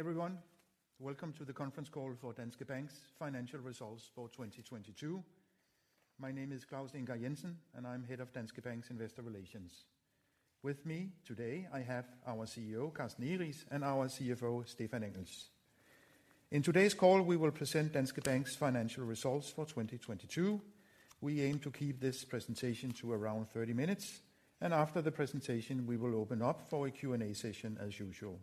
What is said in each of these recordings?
Everyone, welcome to the conference call for Danske Bank's financial results for 2022. My name is Claus Ingar Jensen, and I'm Head of Danske Bank's Investor Relations. With me today, I have our CEO, Carsten Egeriis, and our CFO, Stephan Engels. In today's call, we will present Danske Bank's financial results for 2022. We aim to keep this presentation to around 30 minutes, and after the presentation, we will open up for a Q&A session as usual.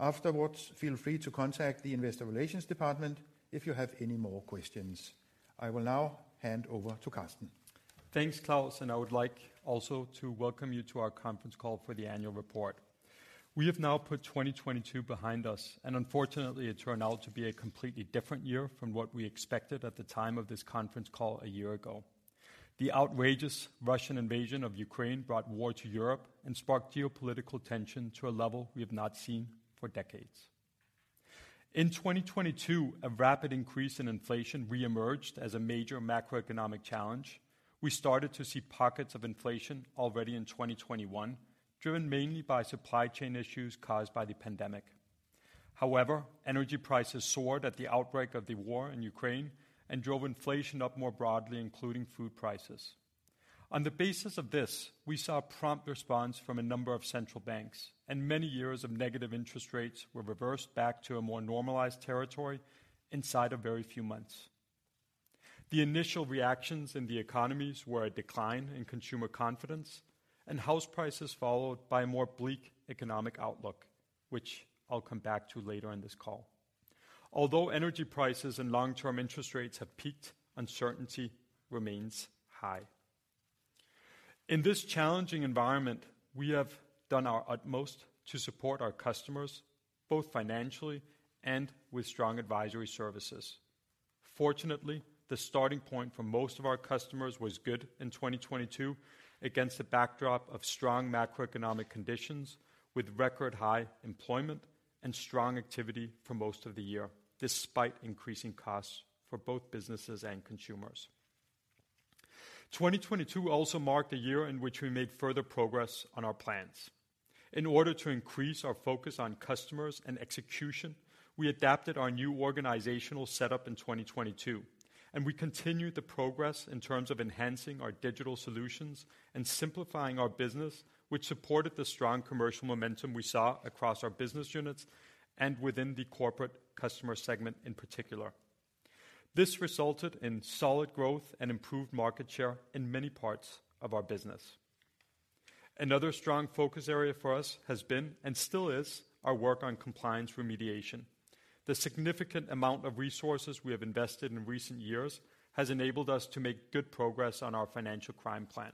Afterwards, feel free to contact the Investor Relations department if you have any more questions. I will now hand over to Carsten. Thanks, Claus. I would like also to welcome you to our conference call for the annual report. We have now put 2022 behind us. Unfortunately it turned out to be a completely different year from what we expected at the time of this conference call a year ago. The outrageous Russian invasion of Ukraine brought war to Europe and sparked geopolitical tension to a level we have not seen for decades. In 2022, a rapid increase in inflation re-emerged as a major macroeconomic challenge. We started to see pockets of inflation already in 2021, driven mainly by supply chain issues caused by the pandemic. Energy prices soared at the outbreak of the war in Ukraine and drove inflation up more broadly, including food prices. On the basis of this, we saw a prompt response from a number of central banks, and many years of negative interest rates were reversed back to a more normalized territory inside a very few months. The initial reactions in the economies were a decline in consumer confidence and house prices, followed by a more bleak economic outlook, which I'll come back to later in this call. Although energy prices and long-term interest rates have peaked, uncertainty remains high. In this challenging environment, we have done our utmost to support our customers, both financially and with strong advisory services. Fortunately, the starting point for most of our customers was good in 2022 against the backdrop of strong macroeconomic conditions with record high employment and strong activity for most of the year, despite increasing costs for both businesses and consumers. 2022 also marked a year in which we made further progress on our plans. In order to increase our focus on customers and execution, we adapted our new organizational setup in 2022, and we continued the progress in terms of enhancing our digital solutions and simplifying our business, which supported the strong commercial momentum we saw across our business units and within the corporate customer segment in particular. This resulted in solid growth and improved market share in many parts of our business. Another strong focus area for us has been, and still is, our work on compliance remediation. The significant amount of resources we have invested in recent years has enabled us to make good progress on our financial crime plan.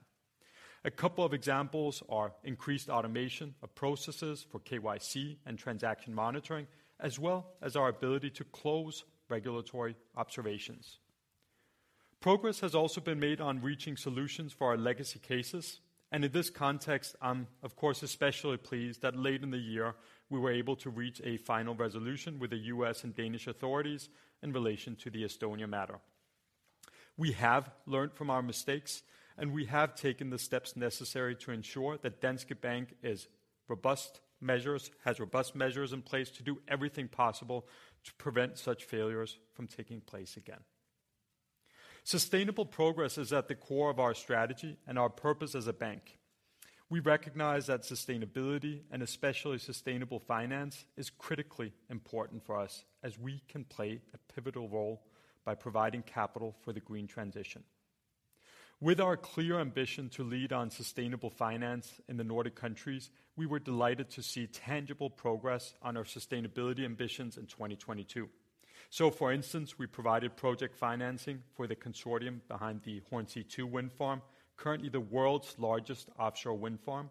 A couple of examples are increased automation of processes for KYC and transaction monitoring, as well as our ability to close regulatory observations. Progress has also been made on reaching solutions for our legacy cases, in this context, I'm of course especially pleased that late in the year we were able to reach a final resolution with the U.S. and Danish authorities in relation to the Estonia matter. We have learned from our mistakes, we have taken the steps necessary to ensure that Danske Bank has robust measures in place to do everything possible to prevent such failures from taking place again. Sustainable progress is at the core of our strategy and our purpose as a bank. We recognize that sustainability, and especially sustainable finance, is critically important for us as we can play a pivotal role by providing capital for the green transition. Our clear ambition to lead on sustainable finance in the Nordic countries, we were delighted to see tangible progress on our sustainability ambitions in 2022. For instance, we provided project financing for the consortium behind the Hornsea Two wind farm, currently the world's largest offshore wind farm.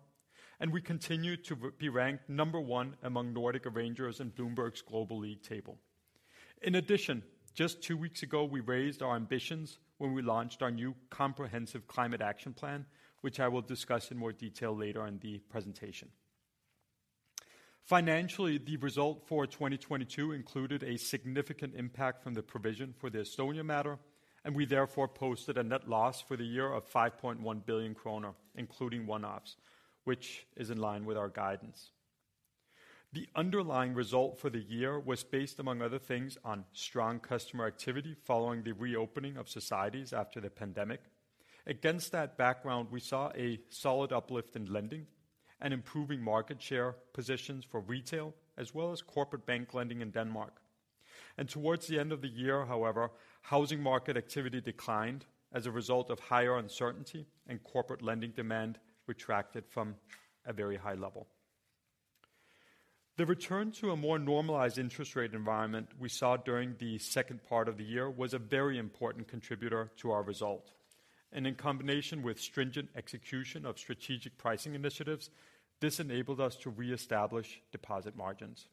We continue to be ranked number one among Nordic arrangers in Bloomberg's Global League Tables. In addition, just two weeks ago, we raised our ambitions when we launched our new comprehensive climate action plan, which I will discuss in more detail later in the presentation. Financially, the result for 2022 included a significant impact from the provision for the Estonia matter. We therefore posted a net loss for the year of 5.1 billion kroner, including one-offs, which is in line with our guidance. The underlying result for the year was based, among other things, on strong customer activity following the reopening of societies after the pandemic. Against that background, we saw a solid uplift in lending and improving market share positions for retail, as well as corporate bank lending in Denmark. Towards the end of the year, however, housing market activity declined as a result of higher uncertainty and corporate lending demand retracted from a very high level. The return to a more normalized interest rate environment we saw during the second part of the year was a very important contributor to our result. In combination with stringent execution of strategic pricing initiatives, this enabled us to reestablish deposit margins.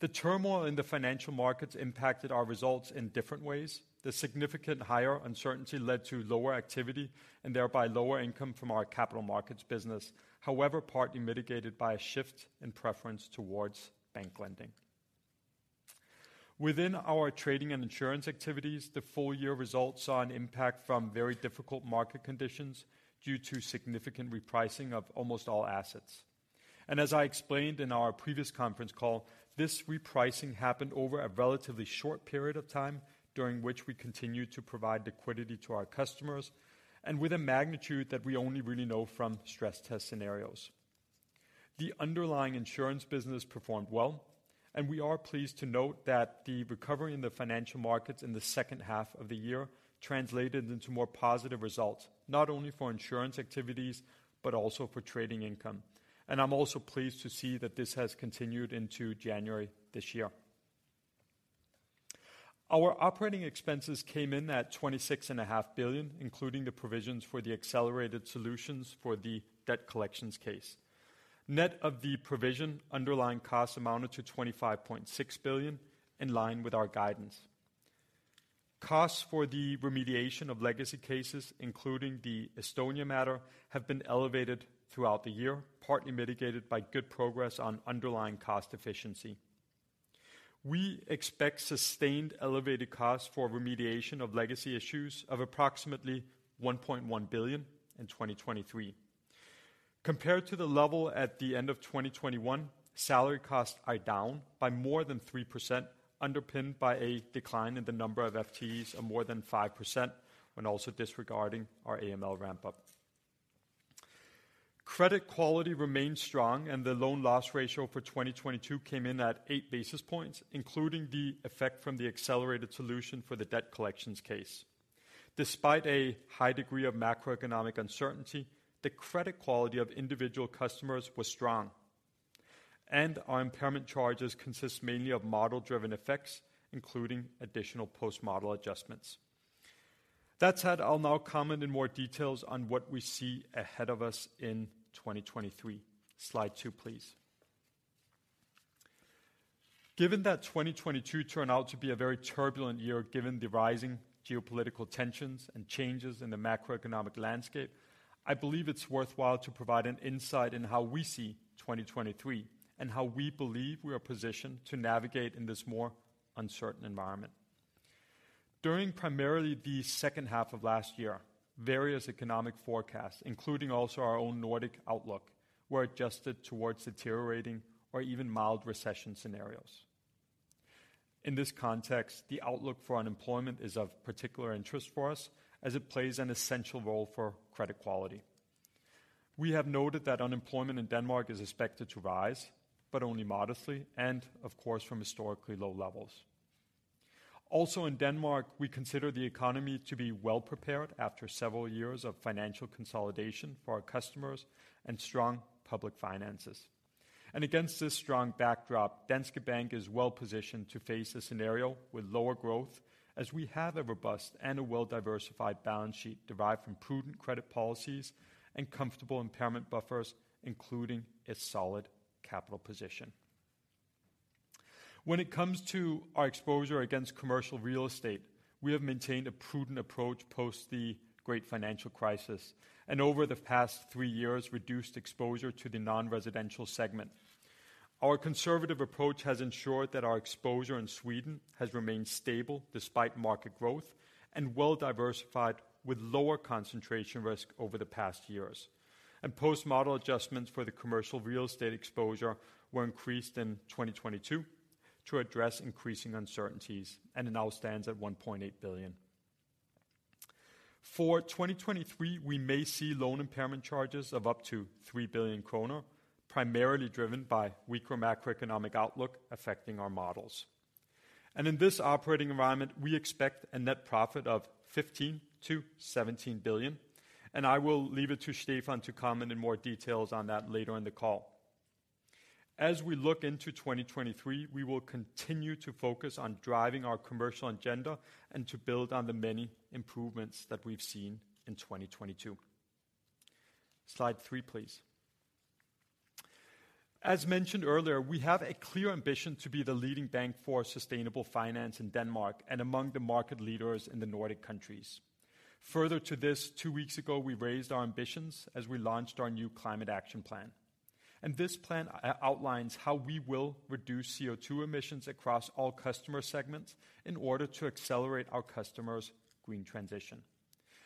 The turmoil in the financial markets impacted our results in different ways. The significant higher uncertainty led to lower activity and thereby lower income from our capital markets business, however, partly mitigated by a shift in preference towards bank lending. Within our trading and insurance activities, the full year results saw an impact from very difficult market conditions due to significant repricing of almost all assets. As I explained in our previous conference call, this repricing happened over a relatively short period of time, during which we continued to provide liquidity to our customers and with a magnitude that we only really know from stress test scenarios. The underlying insurance business performed well, and we are pleased to note that the recovery in the financial markets in the second half of the year translated into more positive results, not only for insurance activities, but also for trading income. I'm also pleased to see that this has continued into January this year. Our operating expenses came in at 26 and a half billion, including the provisions for the accelerated solutions for the debt collections case. Net of the provision, underlying costs amounted to 25.6 billion, in line with our guidance. Costs for the remediation of legacy cases, including the Estonia matter, have been elevated throughout the year, partly mitigated by good progress on underlying cost efficiency. We expect sustained elevated costs for remediation of legacy issues of approximately 1.1 billion in 2023. Compared to the level at the end of 2021, salary costs are down by more than 3%, underpinned by a decline in the number of FTEs of more than 5% when also disregarding our AML ramp-up. Credit quality remains strong, and the loan loss ratio for 2022 came in at 8 basis points, including the effect from the accelerated solution for the debt collections case. Despite a high degree of macroeconomic uncertainty, the credit quality of individual customers was strong, and our impairment charges consist mainly of model-driven effects, including additional Post-Model Adjustments. That said, I'll now comment in more details on what we see ahead of us in 2023. Slide two, please. Given that 2022 turned out to be a very turbulent year, given the rising geopolitical tensions and changes in the macroeconomic landscape, I believe it's worthwhile to provide an insight in how we see 2023 and how we believe we are positioned to navigate in this more uncertain environment. During primarily the second half of last year, various economic forecasts, including also our own Nordic Outlook, were adjusted towards deteriorating or even mild recession scenarios. In this context, the outlook for unemployment is of particular interest for us as it plays an essential role for credit quality. We have noted that unemployment in Denmark is expected to rise, but only modestly and of course, from historically low levels. Also in Denmark, we consider the economy to be well prepared after several years of financial consolidation for our customers and strong public finances. Against this strong backdrop, Danske Bank is well-positioned to face a scenario with lower growth as we have a robust and a well-diversified balance sheet derived from prudent credit policies and comfortable impairment buffers, including a solid capital position. When it comes to our exposure against commercial real estate, we have maintained a prudent approach post the great financial crisis and over the past three years, reduced exposure to the non-residential segment. Our conservative approach has ensured that our exposure in Sweden has remained stable despite market growth and well-diversified with lower concentration risk over the past years. Post-Model Adjustments for the commercial real estate exposure were increased in 2022 to address increasing uncertainties, and it now stands at 1.8 billion. For 2023, we may see loan impairment charges of up to 3 billion kroner, primarily driven by weaker macroeconomic outlook affecting our models. In this operating environment, we expect a net profit of 15 billion-17 billion, and I will leave it to Stephan to comment in more details on that later in the call. As we look into 2023, we will continue to focus on driving our commercial agenda and to build on the many improvements that we've seen in 2022. Slide three, please. As mentioned earlier, we have a clear ambition to be the leading bank for sustainable finance in Denmark and among the market leaders in the Nordic countries. Further to this, two weeks ago, we raised our ambitions as we launched our new climate action plan. This plan outlines how we will reduce CO2 emissions across all customer segments in order to accelerate our customers' green transition.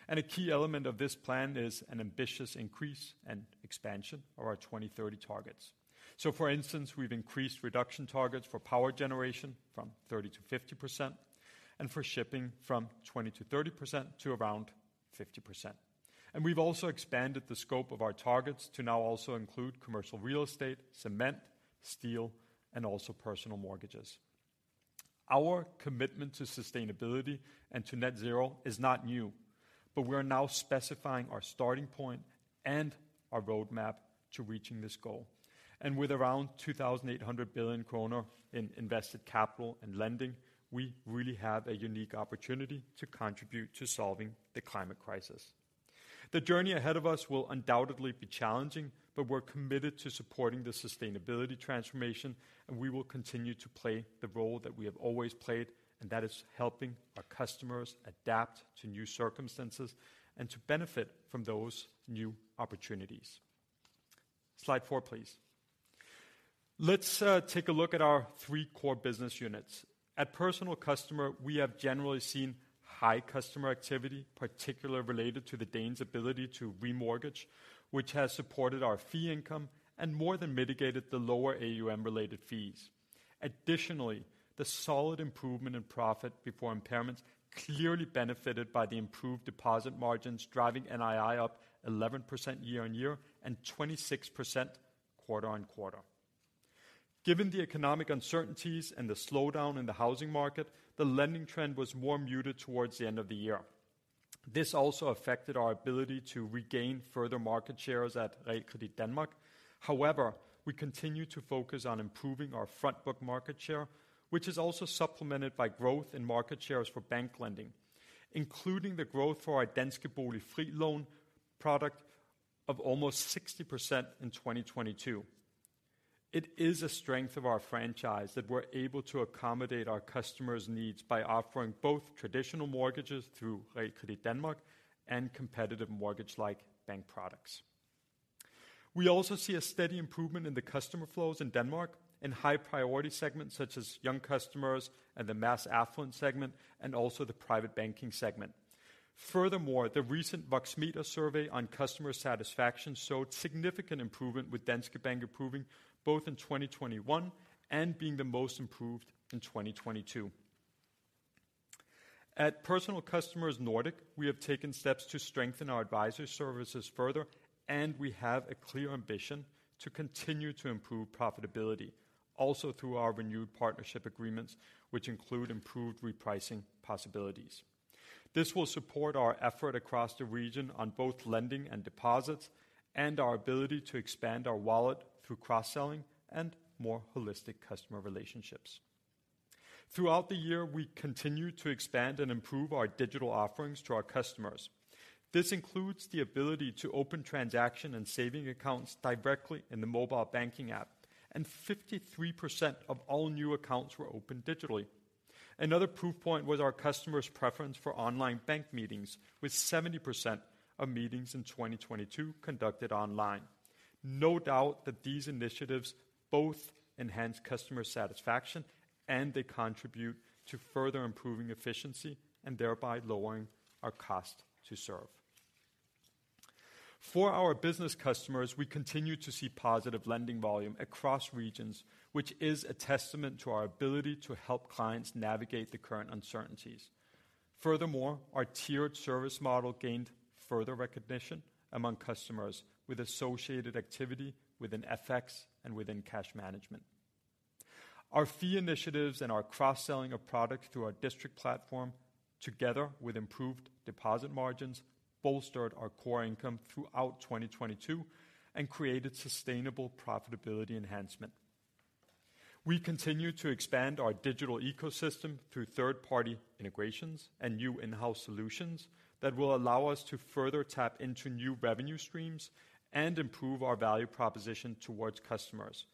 A key element of this plan is an ambitious increase and expansion of our 2030 targets. For instance, we've increased reduction targets for power generation from 30%-50% and for shipping from 20%-30% to around 50%. We've also expanded the scope of our targets to now also include commercial real estate, cement, steel, and also personal mortgages. Our commitment to sustainability and to net zero is not new, we are now specifying our starting point and our roadmap to reaching this goal. With around 2,800 billion kroner in invested capital and lending, we really have a unique opportunity to contribute to solving the climate crisis. The journey ahead of us will undoubtedly be challenging, but we're committed to supporting the sustainability transformation, and we will continue to play the role that we have always played, and that is helping our customers adapt to new circumstances and to benefit from those new opportunities. Slide four, please. Let's take a look at our three core business units. At Personal Customer, we have generally seen high customer activity, particularly related to the Danes' ability to remortgage, which has supported our fee income and more than mitigated the lower AUM-related fees. The solid improvement in profit before impairments clearly benefited by the improved deposit margins, driving NII up 11% year-on-year and 26% quarter-on-quarter. Given the economic uncertainties and the slowdown in the housing market, the lending trend was more muted towards the end of the year. This also affected our ability to regain further market shares at Realkredit Danmark. We continue to focus on improving our front book market share, which is also supplemented by growth in market shares for bank lending, including the growth for our Danske Bolig Fri Loan product of almost 60% in 2022. It is a strength of our franchise that we're able to accommodate our customers' needs by offering both traditional mortgages through Realkredit Danmark and competitive mortgage-like bank products. We also see a steady improvement in the customer flows in Denmark in high priority segments such as young customers and the mass affluent segment, and also the private banking segment. Furthermore, the recent Voxmeter survey on customer satisfaction showed significant improvement, with Danske Bank improving both in 2021 and being the most improved in 2022. At Personal Customers Nordic, we have taken steps to strengthen our advisory services further, and we have a clear ambition to continue to improve profitability, also through our renewed partnership agreements, which include improved repricing possibilities. This will support our effort across the region on both lending and deposits and our ability to expand our wallet through cross-selling and more holistic customer relationships. Throughout the year, we continued to expand and improve our digital offerings to our customers. This includes the ability to open transaction and saving accounts directly in the mobile banking app, and 53% of all new accounts were opened digitally. Another proof point was our customers' preference for online bank meetings, with 70% of meetings in 2022 conducted online. No doubt that these initiatives both enhance customer satisfaction and they contribute to further improving efficiency and thereby lowering our cost to serve. For our business customers, we continue to see positive lending volume across regions, which is a testament to our ability to help clients navigate the current uncertainties. Furthermore, our tiered service model gained further recognition among customers with associated activity within FX and within cash management. Our fee initiatives and our cross-selling of products through our District platform, together with improved deposit margins, bolstered our core income throughout 2022 and created sustainable profitability enhancement. We continue to expand our digital ecosystem through third-party integrations and new in-house solutions that will allow us to further tap into new revenue streams and improve our value proposition towards customers.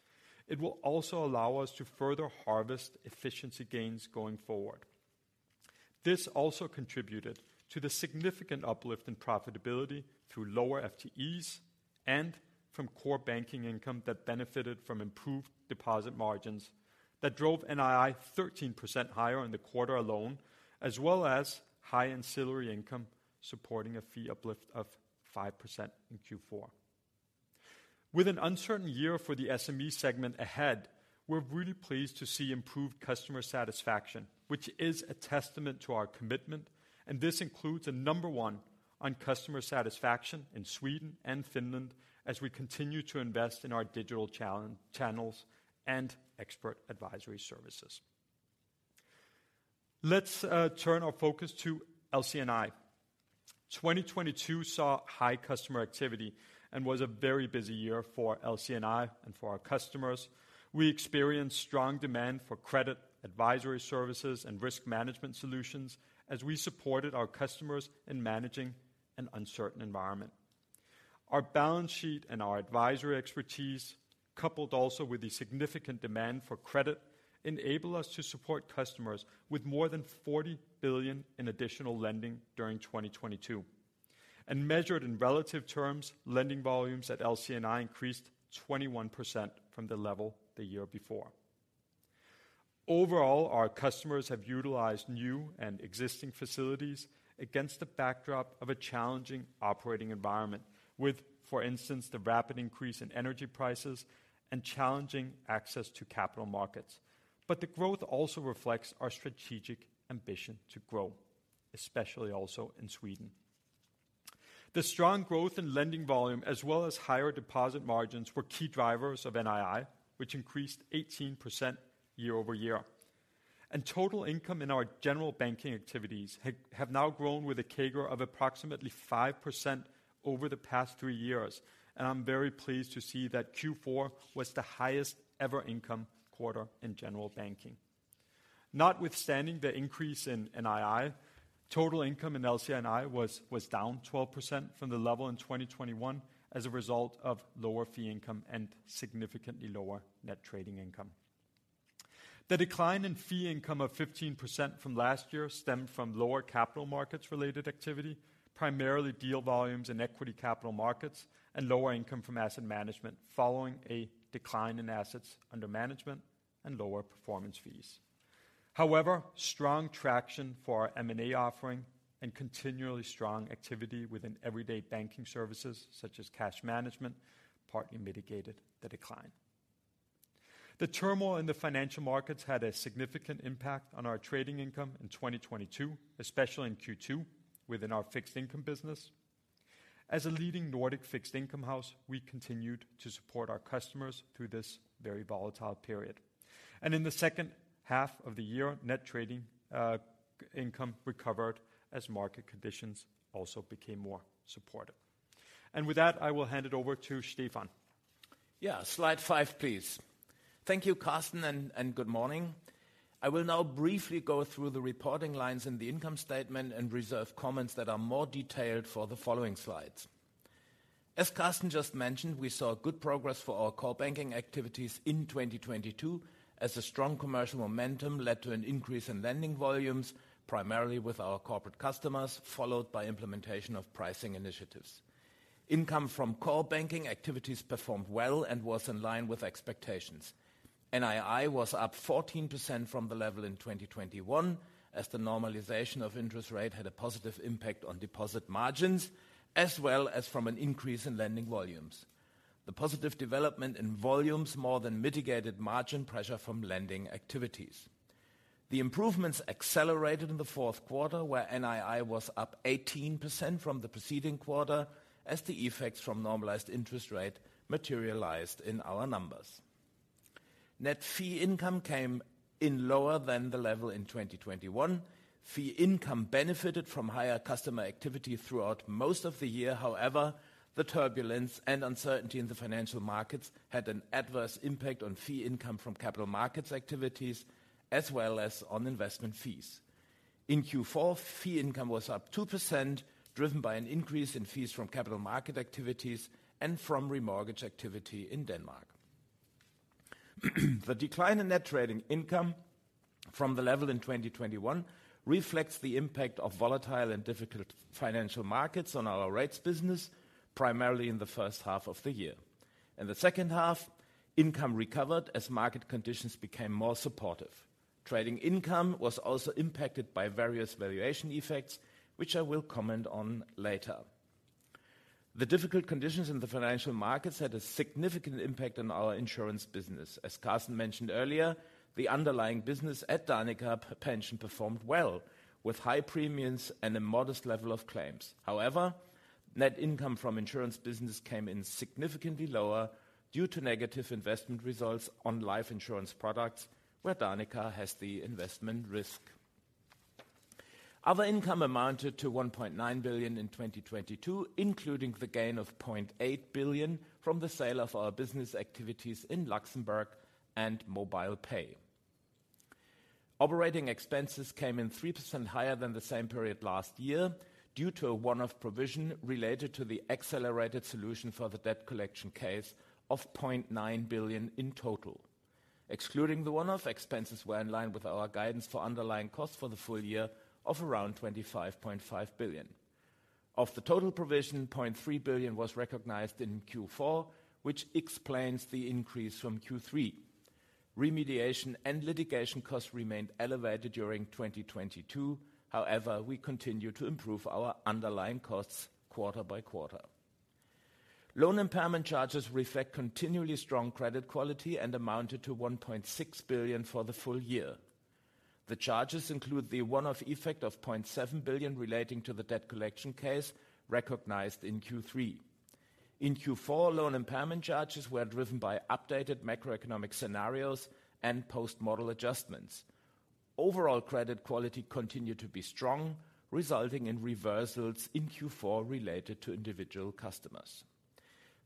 It will also allow us to further harvest efficiency gains going forward. This also contributed to the significant uplift in profitability through lower FTEs and from core banking income that benefited from improved deposit margins that drove NII 13% higher in the quarter alone, as well as high ancillary income supporting a fee uplift of 5% in Q4. With an uncertain year for the SME segment ahead, we're really pleased to see improved customer satisfaction, which is a testament to our commitment. This includes a number one on customer satisfaction in Sweden and Finland as we continue to invest in our digital channels and expert advisory services. Let's turn our focus to LC&I. 2022 saw high customer activity and was a very busy year for LC&I and for our customers. We experienced strong demand for credit, advisory services, and risk management solutions as we supported our customers in managing an uncertain environment. Our balance sheet and our advisory expertise, coupled also with the significant demand for credit, enable us to support customers with more than 40 billion in additional lending during 2022. Measured in relative terms, lending volumes at LC&I increased 21% from the level the year before. Overall, our customers have utilized new and existing facilities against the backdrop of a challenging operating environment with, for instance, the rapid increase in energy prices and challenging access to capital markets. The growth also reflects our strategic ambition to grow, especially also in Sweden. The strong growth in lending volume as well as higher deposit margins were key drivers of NII, which increased 18% year-over-year. Total income in our general banking activities have now grown with a CAGR of approximately 5% over the past three years. I'm very pleased to see that Q4 was the highest ever income quarter in general banking. Notwithstanding the increase in NII, total income in LC&I was down 12% from the level in 2021 as a result of lower fee income and significantly lower net trading income. The decline in fee income of 15% from last year stemmed from lower capital markets related activity, primarily deal volumes and equity capital markets, and lower income from asset management following a decline in assets under management and lower performance fees. However, strong traction for our M&A offering and continually strong activity within everyday banking services, such as cash management, partly mitigated the decline. The turmoil in the financial markets had a significant impact on our trading income in 2022, especially in Q2 within our fixed income business. As a leading Nordic fixed income house, we continued to support our customers through this very volatile period. In the second half of the year, net trading income recovered as market conditions also became more supportive. With that, I will hand it over to Stephan. Yeah. Slide five, please. Thank you, Carsten, and good morning. I will now briefly go through the reporting lines in the income statement and reserve comments that are more detailed for the following slides. As Carsten just mentioned, we saw good progress for our core banking activities in 2022 as the strong commercial momentum led to an increase in lending volumes, primarily with our corporate customers, followed by implementation of pricing initiatives. Income from core banking activities performed well and was in line with expectations. NII was up 14% from the level in 2021 as the normalization of interest rate had a positive impact on deposit margins, as well as from an increase in lending volumes. The positive development in volumes more than mitigated margin pressure from lending activities. The improvements accelerated in the Q4, where NII was up 18% from the preceding quarter as the effects from normalized interest rate materialized in our numbers. Net fee income came in lower than the level in 2021. Fee income benefited from higher customer activity throughout most of the year. However, the turbulence and uncertainty in the financial markets had an adverse impact on fee income from capital markets activities, as well as on investment fees. In Q4, fee income was up 2%, driven by an increase in fees from capital market activities and from remortgage activity in Denmark. The decline in net trading income from the level in 2021 reflects the impact of volatile and difficult financial markets on our rates business, primarily in the first half of the year. In the second half, income recovered as market conditions became more supportive. Trading income was also impacted by various valuation effects, which I will comment on later. The difficult conditions in the financial markets had a significant impact on our insurance business. As Carsten Egeriis mentioned earlier, the underlying business at Danica Pension performed well with high premiums and a modest level of claims. However, net income from insurance business came in significantly lower due to negative investment results on life insurance products where Danica has the investment risk. Other income amounted to 1.9 billion in 2022, including the gain of 0.8 billion from the sale of our business activities in Luxembourg and MobilePay. Operating expenses came in 3% higher than the same period last year due to a one-off provision related to the accelerated solution for the debt collection case of 0.9 billion in total. Excluding the one-off expenses were in line with our guidance for underlying costs for the full year of around 25.5 billion. Of the total provision, 0.3 billion was recognized in Q4, which explains the increase from Q3. Remediation and litigation costs remained elevated during 2022, however, we continue to improve our underlying costs quarter by quarter. Loan impairment charges reflect continually strong credit quality and amounted to 1.6 billion for the full year. The charges include the one-off effect of 0.7 billion relating to the debt collection case recognized in Q3. In Q4, loan impairment charges were driven by updated macroeconomic scenarios and post-model adjustments. Overall credit quality continued to be strong, resulting in reversals in Q4 related to individual customers.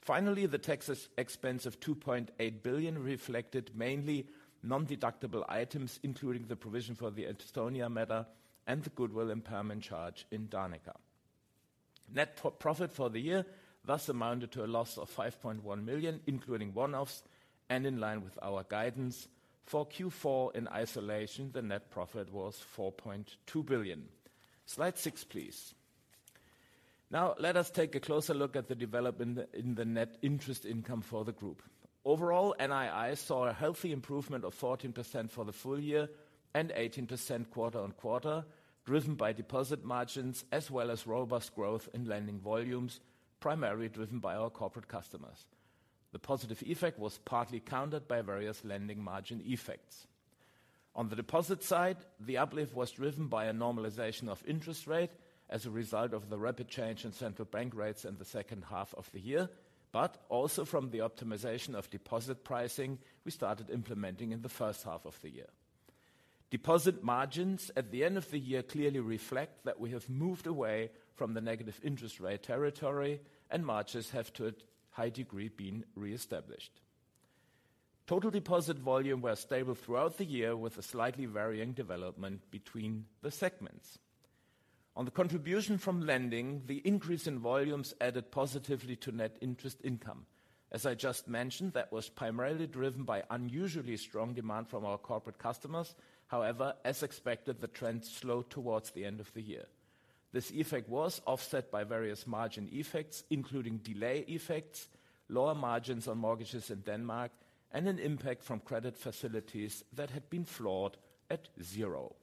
Finally, the taxes expense of 2.8 billion reflected mainly non-deductible items, including the provision for the Estonia matter and the goodwill impairment charge in Danica. Net pre-profit for the year thus amounted to a loss of 5.1 million, including one-offs and in line with our guidance. For Q4 in isolation, the net profit was 4.2 billion. Slide six, please. Now, let us take a closer look at the development in the net interest income for the group. Overall, NII saw a healthy improvement of 14% for the full year and 18% quarter-on-quarter, driven by deposit margins as well as robust growth in lending volumes, primarily driven by our corporate customers. The positive effect was partly countered by various lending margin effects. On the deposit side, the uplift was driven by a normalization of interest rate as a result of the rapid change in central bank rates in the second half of the year. Also from the optimization of deposit pricing we started implementing in the first half of the year. Deposit margins at the end of the year clearly reflect that we have moved away from the negative interest rate territory and margins have to a high degree been reestablished. Total deposit volume were stable throughout the year with a slightly varying development between the segments. On the contribution from lending, the increase in volumes added positively to net interest income. As I just mentioned, that was primarily driven by unusually strong demand from our corporate customers. As expected, the trend slowed towards the end of the year. This effect was offset by various margin effects, including delay effects, lower margins on mortgages in Denmark, and an impact from credit facilities that had been floored at zero.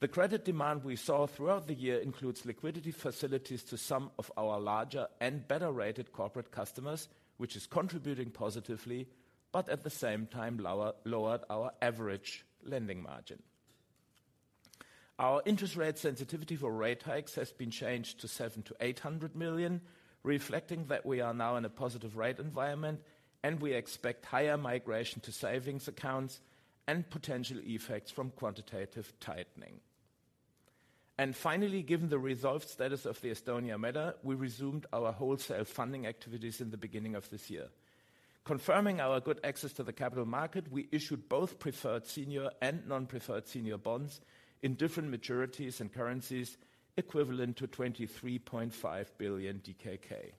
The credit demand we saw throughout the year includes liquidity facilities to some of our larger and better-rated corporate customers, which is contributing positively, but at the same time lowered our average lending margin. Our interest rate sensitivity for rate hikes has been changed to 700 million-800 million, reflecting that we are now in a positive rate environment and we expect higher migration to savings accounts and potential effects from quantitative tightening. Finally, given the resolved status of the Estonia Matter, we resumed our wholesale funding activities in the beginning of this year. Confirming our good access to the capital market, we issued both preferred senior and non-preferred senior bonds in different maturities and currencies equivalent to 23.5 billion DKK.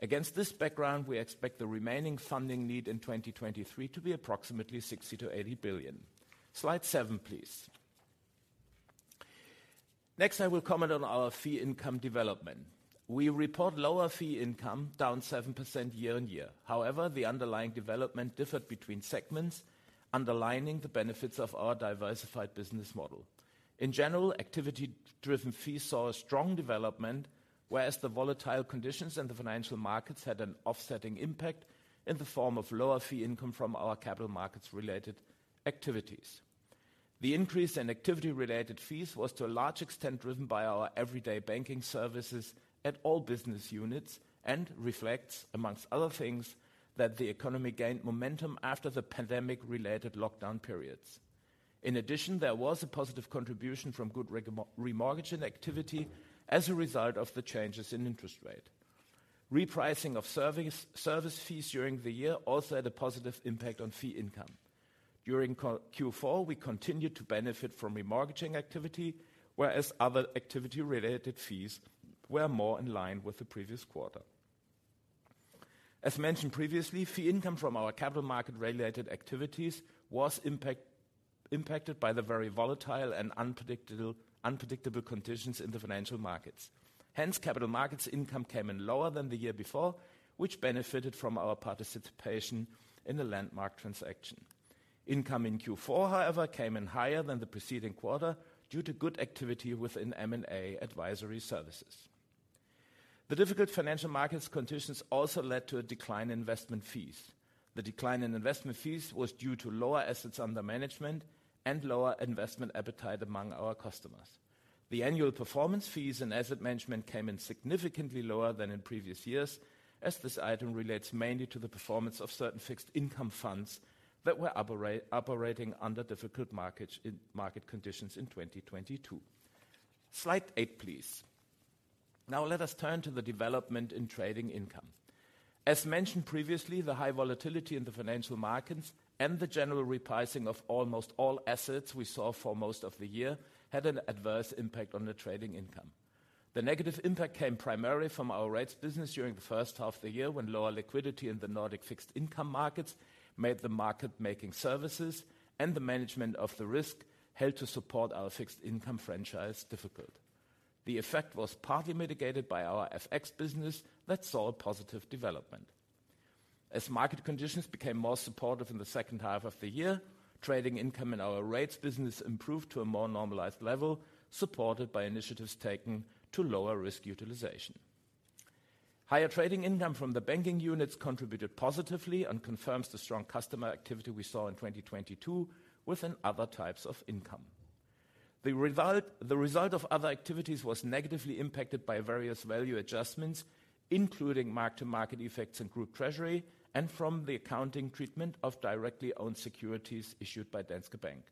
Against this background, we expect the remaining funding need in 2023 to be approximately 60 billion-80 billion. Slide seven, please. I will comment on our fee income development. We report lower fee income down 7% year-on-year. The underlying development differed between segments, underlining the benefits of our diversified business model. In general, activity driven fees saw a strong development, whereas the volatile conditions in the financial markets had an offsetting impact in the form of lower fee income from our capital markets related activities. The increase in activity related fees was to a large extent driven by our everyday banking services at all business units and reflects, among other things, that the economy gained momentum after the pandemic related lockdown periods. In addition, there was a positive contribution from good remortgaging activity as a result of the changes in interest rate. Repricing of service fees during the year also had a positive impact on fee income. During Q4, we continued to benefit from remortgaging activity, whereas other activity related fees were more in line with the previous quarter. As mentioned previously, fee income from our capital market related activities was impacted by the very volatile and unpredictable conditions in the financial markets. Capital markets income came in lower than the year before, which benefited from our participation in the landmark transaction. Income in Q4, however, came in higher than the preceding quarter due to good activity within M&A advisory services. The difficult financial markets conditions also led to a decline in investment fees. The decline in investment fees was due to lower assets under management and lower investment appetite among our customers. The annual performance fees and asset management came in significantly lower than in previous years as this item relates mainly to the performance of certain fixed income funds that were operating under difficult market conditions in 2022. Slide eight, please. Now let us turn to the development in trading income. As mentioned previously, the high volatility in the financial markets and the general repricing of almost all assets we saw for most of the year had an adverse impact on the trading income. The negative impact came primarily from our rates business during the first half of the year, when lower liquidity in the Nordic fixed income markets made the market making services and the management of the risk held to support our fixed income franchise difficult. The effect was partly mitigated by our FX business that saw a positive development. Market conditions became more supportive in the second half of the year, trading income in our rates business improved to a more normalized level, supported by initiatives taken to lower risk utilization. Higher trading income from the banking units contributed positively and confirms the strong customer activity we saw in 2022 within other types of income. The result of other activities was negatively impacted by various value adjustments, including mark-to-market effects in group treasury and from the accounting treatment of directly owned securities issued by Danske Bank.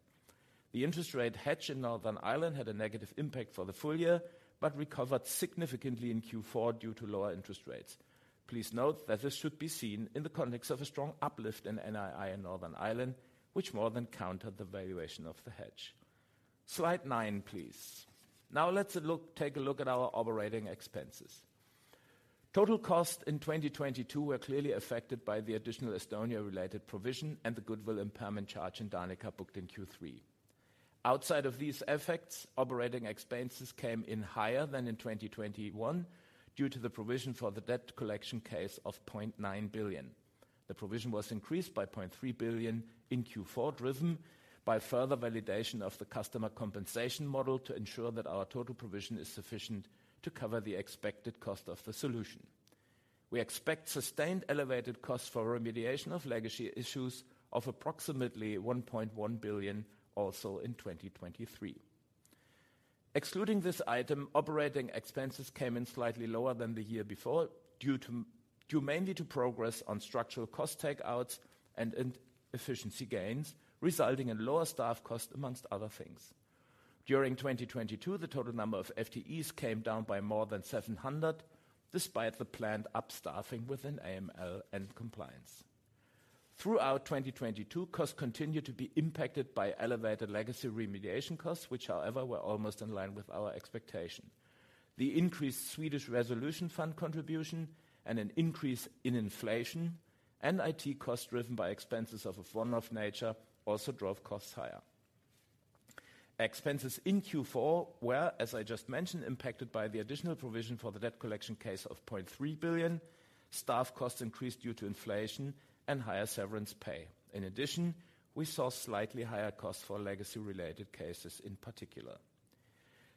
The interest rate hedge in Northern Ireland had a negative impact for the full year, but recovered significantly in Q4 due to lower interest rates. Please note that this should be seen in the context of a strong uplift in NII in Northern Ireland, which more than countered the valuation of the hedge. Slide nine, please. Let's take a look at our operating expenses. Total costs in 2022 were clearly affected by the additional Estonia related provision and the goodwill impairment charge in Danica booked in Q3. Outside of these effects, operating expenses came in higher than in 2021 due to the provision for the debt collection case of 0.9 billion. The provision was increased by 0.3 billion in Q4, driven by further validation of the customer compensation model to ensure that our total provision is sufficient to cover the expected cost of the solution. We expect sustained elevated costs for remediation of legacy issues of approximately 1.1 billion also in 2023. Excluding this item, operating expenses came in slightly lower than the year before, due mainly to progress on structural cost takeouts and in efficiency gains, resulting in lower staff costs, amongst other things. During 2022, the total number of FTEs came down by more than 700, despite the planned upstaffing within AML and compliance. Throughout 2022, costs continued to be impacted by elevated legacy remediation costs, which, however, were almost in line with our expectation. The increased Swedish Resolution Fund contribution and an increase in inflation and IT costs driven by expenses of a one-off nature also drove costs higher. Expenses in Q4 were, as I just mentioned, impacted by the additional provision for the debt collection case of 0.3 billion. Staff costs increased due to inflation and higher severance pay. We saw slightly higher costs for legacy-related cases in particular.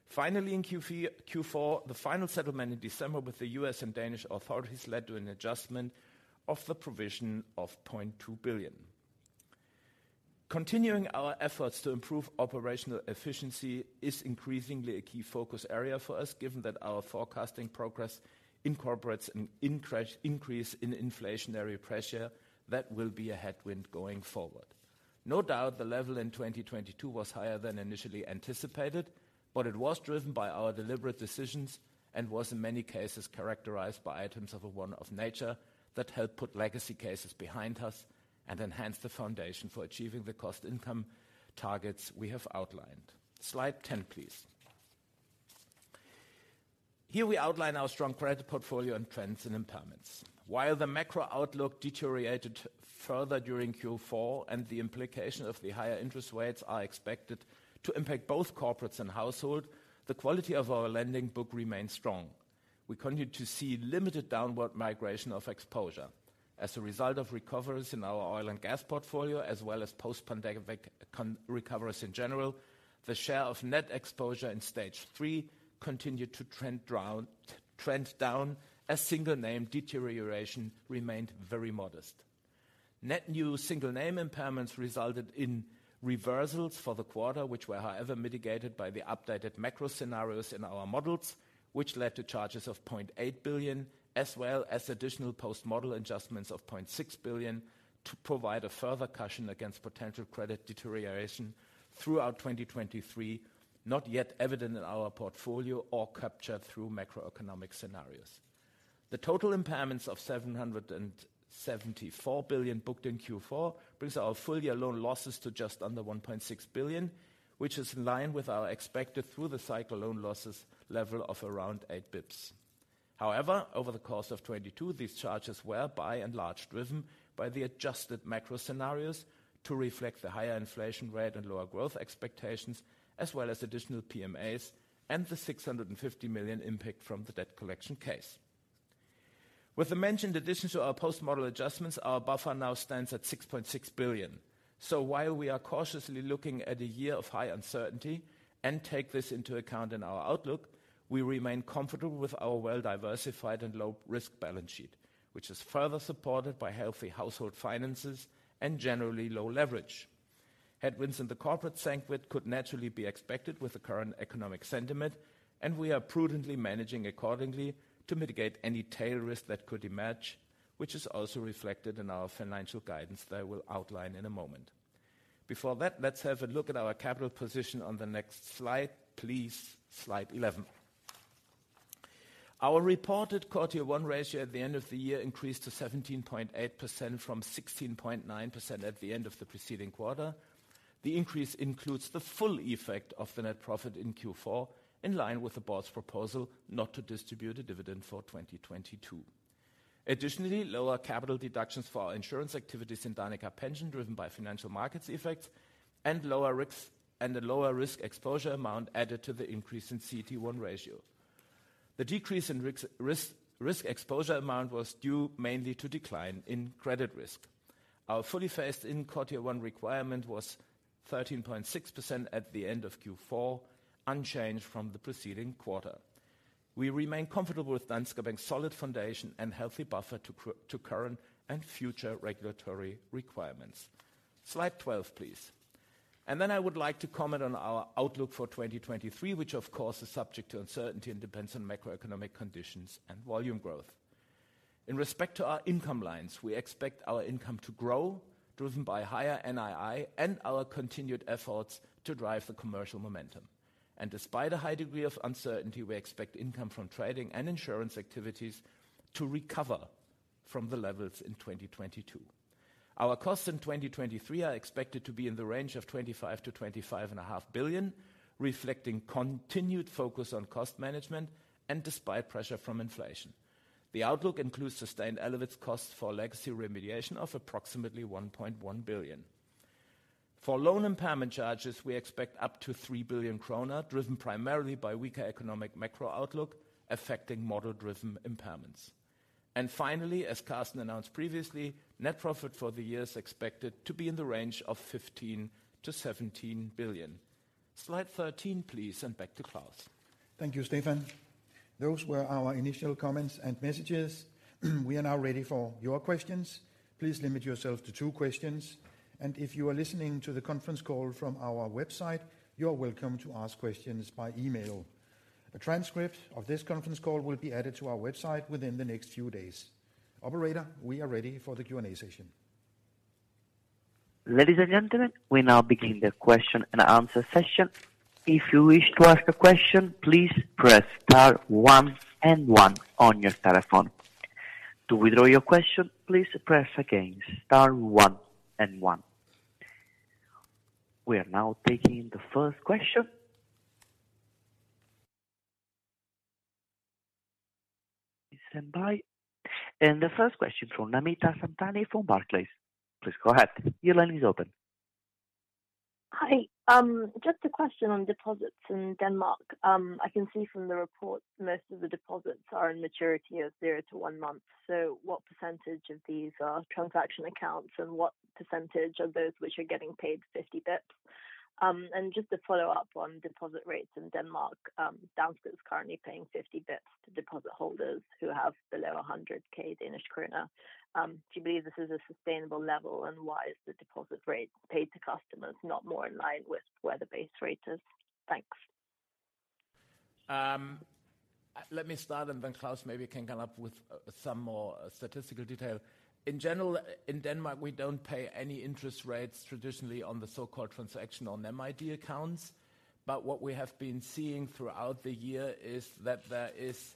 Finally, in Q4, the final settlement in December with the U.S. and Danish authorities led to an adjustment of the provision of 0.2 billion. Continuing our efforts to improve operational efficiency is increasingly a key focus area for us, given that our forecasting progress incorporates an increase in inflationary pressure that will be a headwind going forward. No doubt the level in 2022 was higher than initially anticipated, it was driven by our deliberate decisions and was in many cases characterized by items of a one-off nature that help put legacy cases behind us and enhance the foundation for achieving the cost income targets we have outlined. Slide 10, please. Here we outline our strong credit portfolio and trends in impairments. While the macro outlook deteriorated further during Q4, and the implication of the higher interest rates are expected to impact both corporates and household, the quality of our lending book remains strong. We continue to see limited downward migration of exposure. As a result of recoveries in our oil and gas portfolio, as well as post-pandemic recoveries in general, the share of net exposure in Stage 3 continued to trend down as single name deterioration remained very modest. Net new single name impairments resulted in reversals for the quarter, which were, however, mitigated by the updated macro scenarios in our models, which led to charges of 0.8 billion, as well as additional post-model adjustments of 0.6 billion to provide a further cushion against potential credit deterioration throughout 2023, not yet evident in our portfolio or captured through macroeconomic scenarios. The total impairments of 774 billion booked in Q4 brings our full year loan losses to just under 1.6 billion, which is in line with our expected through-the-cycle loan losses level of around 8 basis points. Over the course of 2022, these charges were by and large driven by the adjusted macro scenarios to reflect the higher inflation rate and lower growth expectations, as well as additional PMAs and the 650 million impact from the debt collection case. With the mentioned addition to our Post-Model Adjustments, our buffer now stands at 6.6 billion. While we are cautiously looking at a year of high uncertainty and take this into account in our outlook, we remain comfortable with our well-diversified and low-risk balance sheet, which is further supported by healthy household finances and generally low leverage. Headwinds in the corporate segment could naturally be expected with the current economic sentiment, and we are prudently managing accordingly to mitigate any tail risk that could emerge, which is also reflected in our financial guidance that I will outline in a moment. Before that, let's have a look at our capital position on the next slide, please. Slide 11. Our reported Q1 ratio at the end of the year increased to 17.8% from 16.9% at the end of the preceding quarter. The increase includes the full effect of the net profit in Q4, in line with the board's proposal not to distribute a dividend for 2022. Additionally, lower capital deductions for our insurance activities in Danica Pension, driven by financial markets effects and a lower risk exposure amount added to the increase in CET1 ratio. The decrease in risk exposure amount was due mainly to decline in credit risk. Our fully phased-in quarter one requirement was 13.6% at the end of Q4, unchanged from the preceding quarter. We remain comfortable with Danske Bank's solid foundation and healthy buffer to current and future regulatory requirements. Slide 12, please. I would like to comment on our outlook for 2023, which of course is subject to uncertainty and depends on macroeconomic conditions and volume growth. In respect to our income lines, we expect our income to grow, driven by higher NII and our continued efforts to drive the commercial momentum. Despite a high degree of uncertainty, we expect income from trading and insurance activities to recover from the levels in 2022. Our costs in 2023 are expected to be in the range of 25 billion-25.5 billion, reflecting continued focus on cost management and despite pressure from inflation. The outlook includes sustained elevated costs for legacy remediation of approximately 1.1 billion. For loan impairment charges, we expect up to 3 billion kroner, driven primarily by weaker economic macro outlook, affecting model-driven impairments. Finally, as Carsten announced previously, net profit for the year is expected to be in the range of 15 billion-17 billion. Slide 13, please, and back to Claus. Thank you, Stephan. Those were our initial comments and messages. We are now ready for your questions. Please limit yourself to two questions, and if you are listening to the conference call from our website, you are welcome to ask questions by email. A transcript of this conference call will be added to our website within the next few days. Operator, we are ready for the Q&A session. Ladies and gentlemen, we now begin the question and answer session. If you wish to ask a question, please press star one and one on your telephone. To withdraw your question, please press again star one and one. We are now taking the first question. Stand by. The first question from Namita Samtani from Barclays. Please go ahead. Your line is open. Hi. Just a question on deposits in Denmark. I can see from the report most of the deposits are in maturity of 0-first month. What percentage of these are transaction accounts, and what percentage of those which are getting paid 50 basis points? Just to follow up on deposit rates in Denmark, Danske Bank is currently paying 50 basis points to deposit holders who have below 100,000 Danish krone. Do you believe this is a sustainable level? Why is the deposit rate paid to customers not more in line with where the base rate is? Thanks. Let me start, and then Claus maybe can come up with some more statistical detail. In general, in Denmark, we don't pay any interest rates traditionally on the so-called transaction on MID accounts. What we have been seeing throughout the year is that there is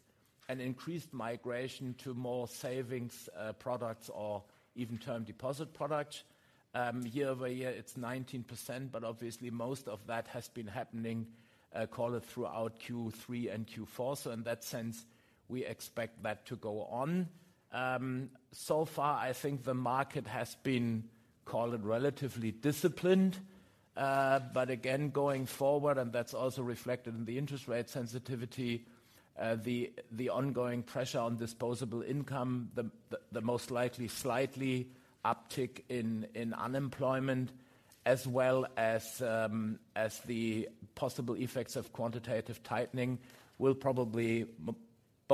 an increased migration to more savings products or even term deposit products. Year-over-year it's 19%, but obviously most of that has been happening, call it throughout Q3 and Q4. In that sense, we expect that to go on. So far, I think the market has been, call it, relatively disciplined. Again, going forward, and that's also reflected in the interest rate sensitivity, the ongoing pressure on disposable income, the most likely slightly uptick in unemployment as well as the possible effects of quantitative tightening will probably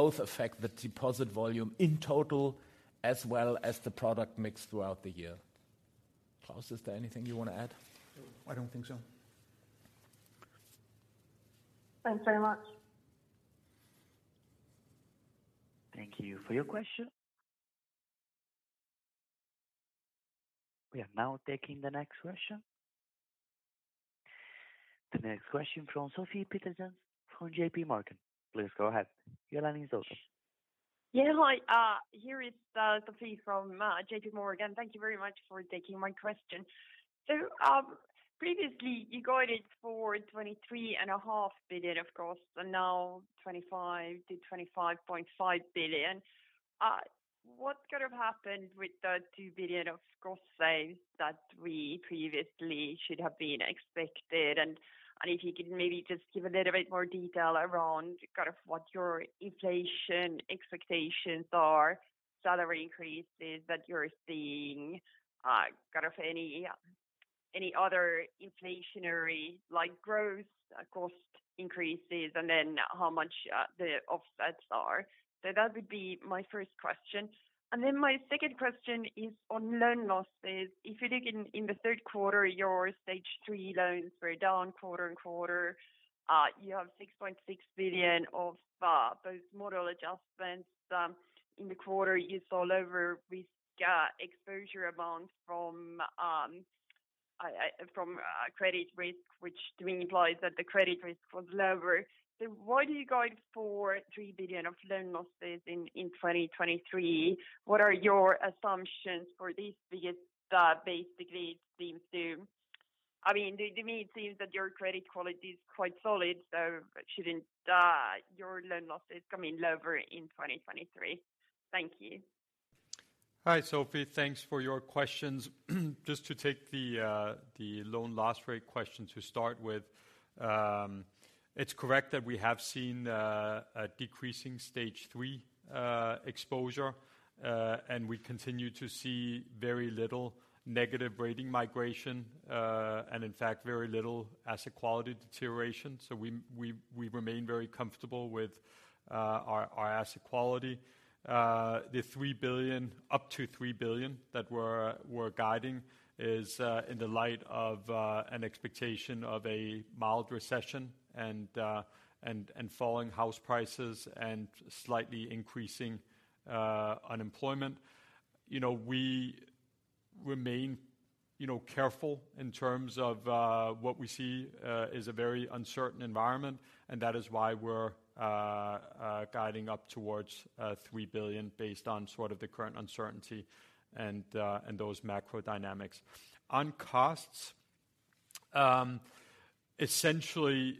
both affect the deposit volume in total as well as the product mix throughout the year. Claus, is there anything you want to add? I don't think so. Thanks very much. Thank you for your question. We are now taking the next question. The next question from Sofie Peterzens from JPMorgan. Please go ahead. Your line is open. Hi, here is Sofie from JPMorgan. Thank you very much for taking my question. Previously you guided for 23.5 billion of costs, and now 25 billion-25.5 billion. What could have happened with the 2 billion of cost saves that we previously should have been expected? If you could maybe just give a little bit more detail around kind of what your inflation expectations are, salary increases that you're seeing, any other inflationary like growth, cost increases, and then how much the offsets are. That would be my first question. My second question is on loan losses. If you look in the Q3, your Stage 3 loans were down quarter and quarter. You have 6.6 billion of those model adjustments. In the quarter, you saw lower risk exposure amounts from credit risk, which to me implies that the credit risk was lower. Why are you going for 3 billion of loan losses in 2023? What are your assumptions for this? That basically I mean, to me, it seems that your credit quality is quite solid, shouldn't your loan losses come in lower in 2023? Thank you. Hi, Sophie. Thanks for your questions. Just to take the loan loss rate question to start with. It's correct that we have seen a decreasing Stage 3 exposure. We continue to see very little negative rating migration and in fact, very little asset quality deterioration. We remain very comfortable with our asset quality. The 3 billion, up to 3 billion that we're guiding is in the light of an expectation of a mild recession and falling house prices and slightly increasing unemployment. You know, we remain, you know, careful in terms of what we see is a very uncertain environment, and that is why we're guiding up towards 3 billion based on sort of the current uncertainty and those macro dynamics. On costs, essentially,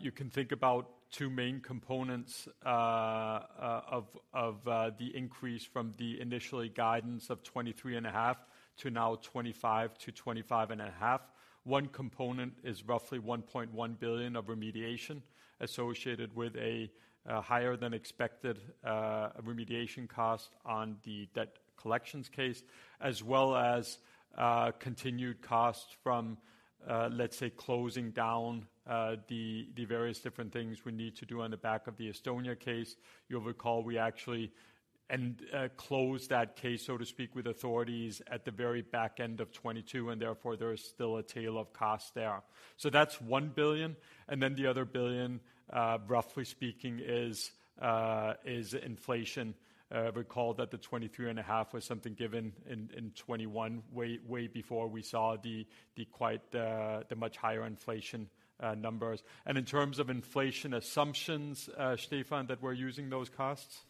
you can think about two main components of the increase from the initially guidance of 23 and a half billion to now 25 billion-25 and a half billion. One component is roughly 1.1 billion of remediation associated with a higher than expected remediation cost on the debt collections case, as well as continued costs from, let's say, closing down the various different things we need to do on the back of the Estonia case. You'll recall we actually close that case, so to speak, with authorities at the very back end of 2022, and therefore there is still a tail of cost there. That's 1 billion, and then the other 1 billion, roughly speaking, is inflation. Recall that the 23.5 was something given in 2021 way before we saw the quite, the much higher inflation, numbers. In terms of inflation assumptions, Stephan, that we're using those costs?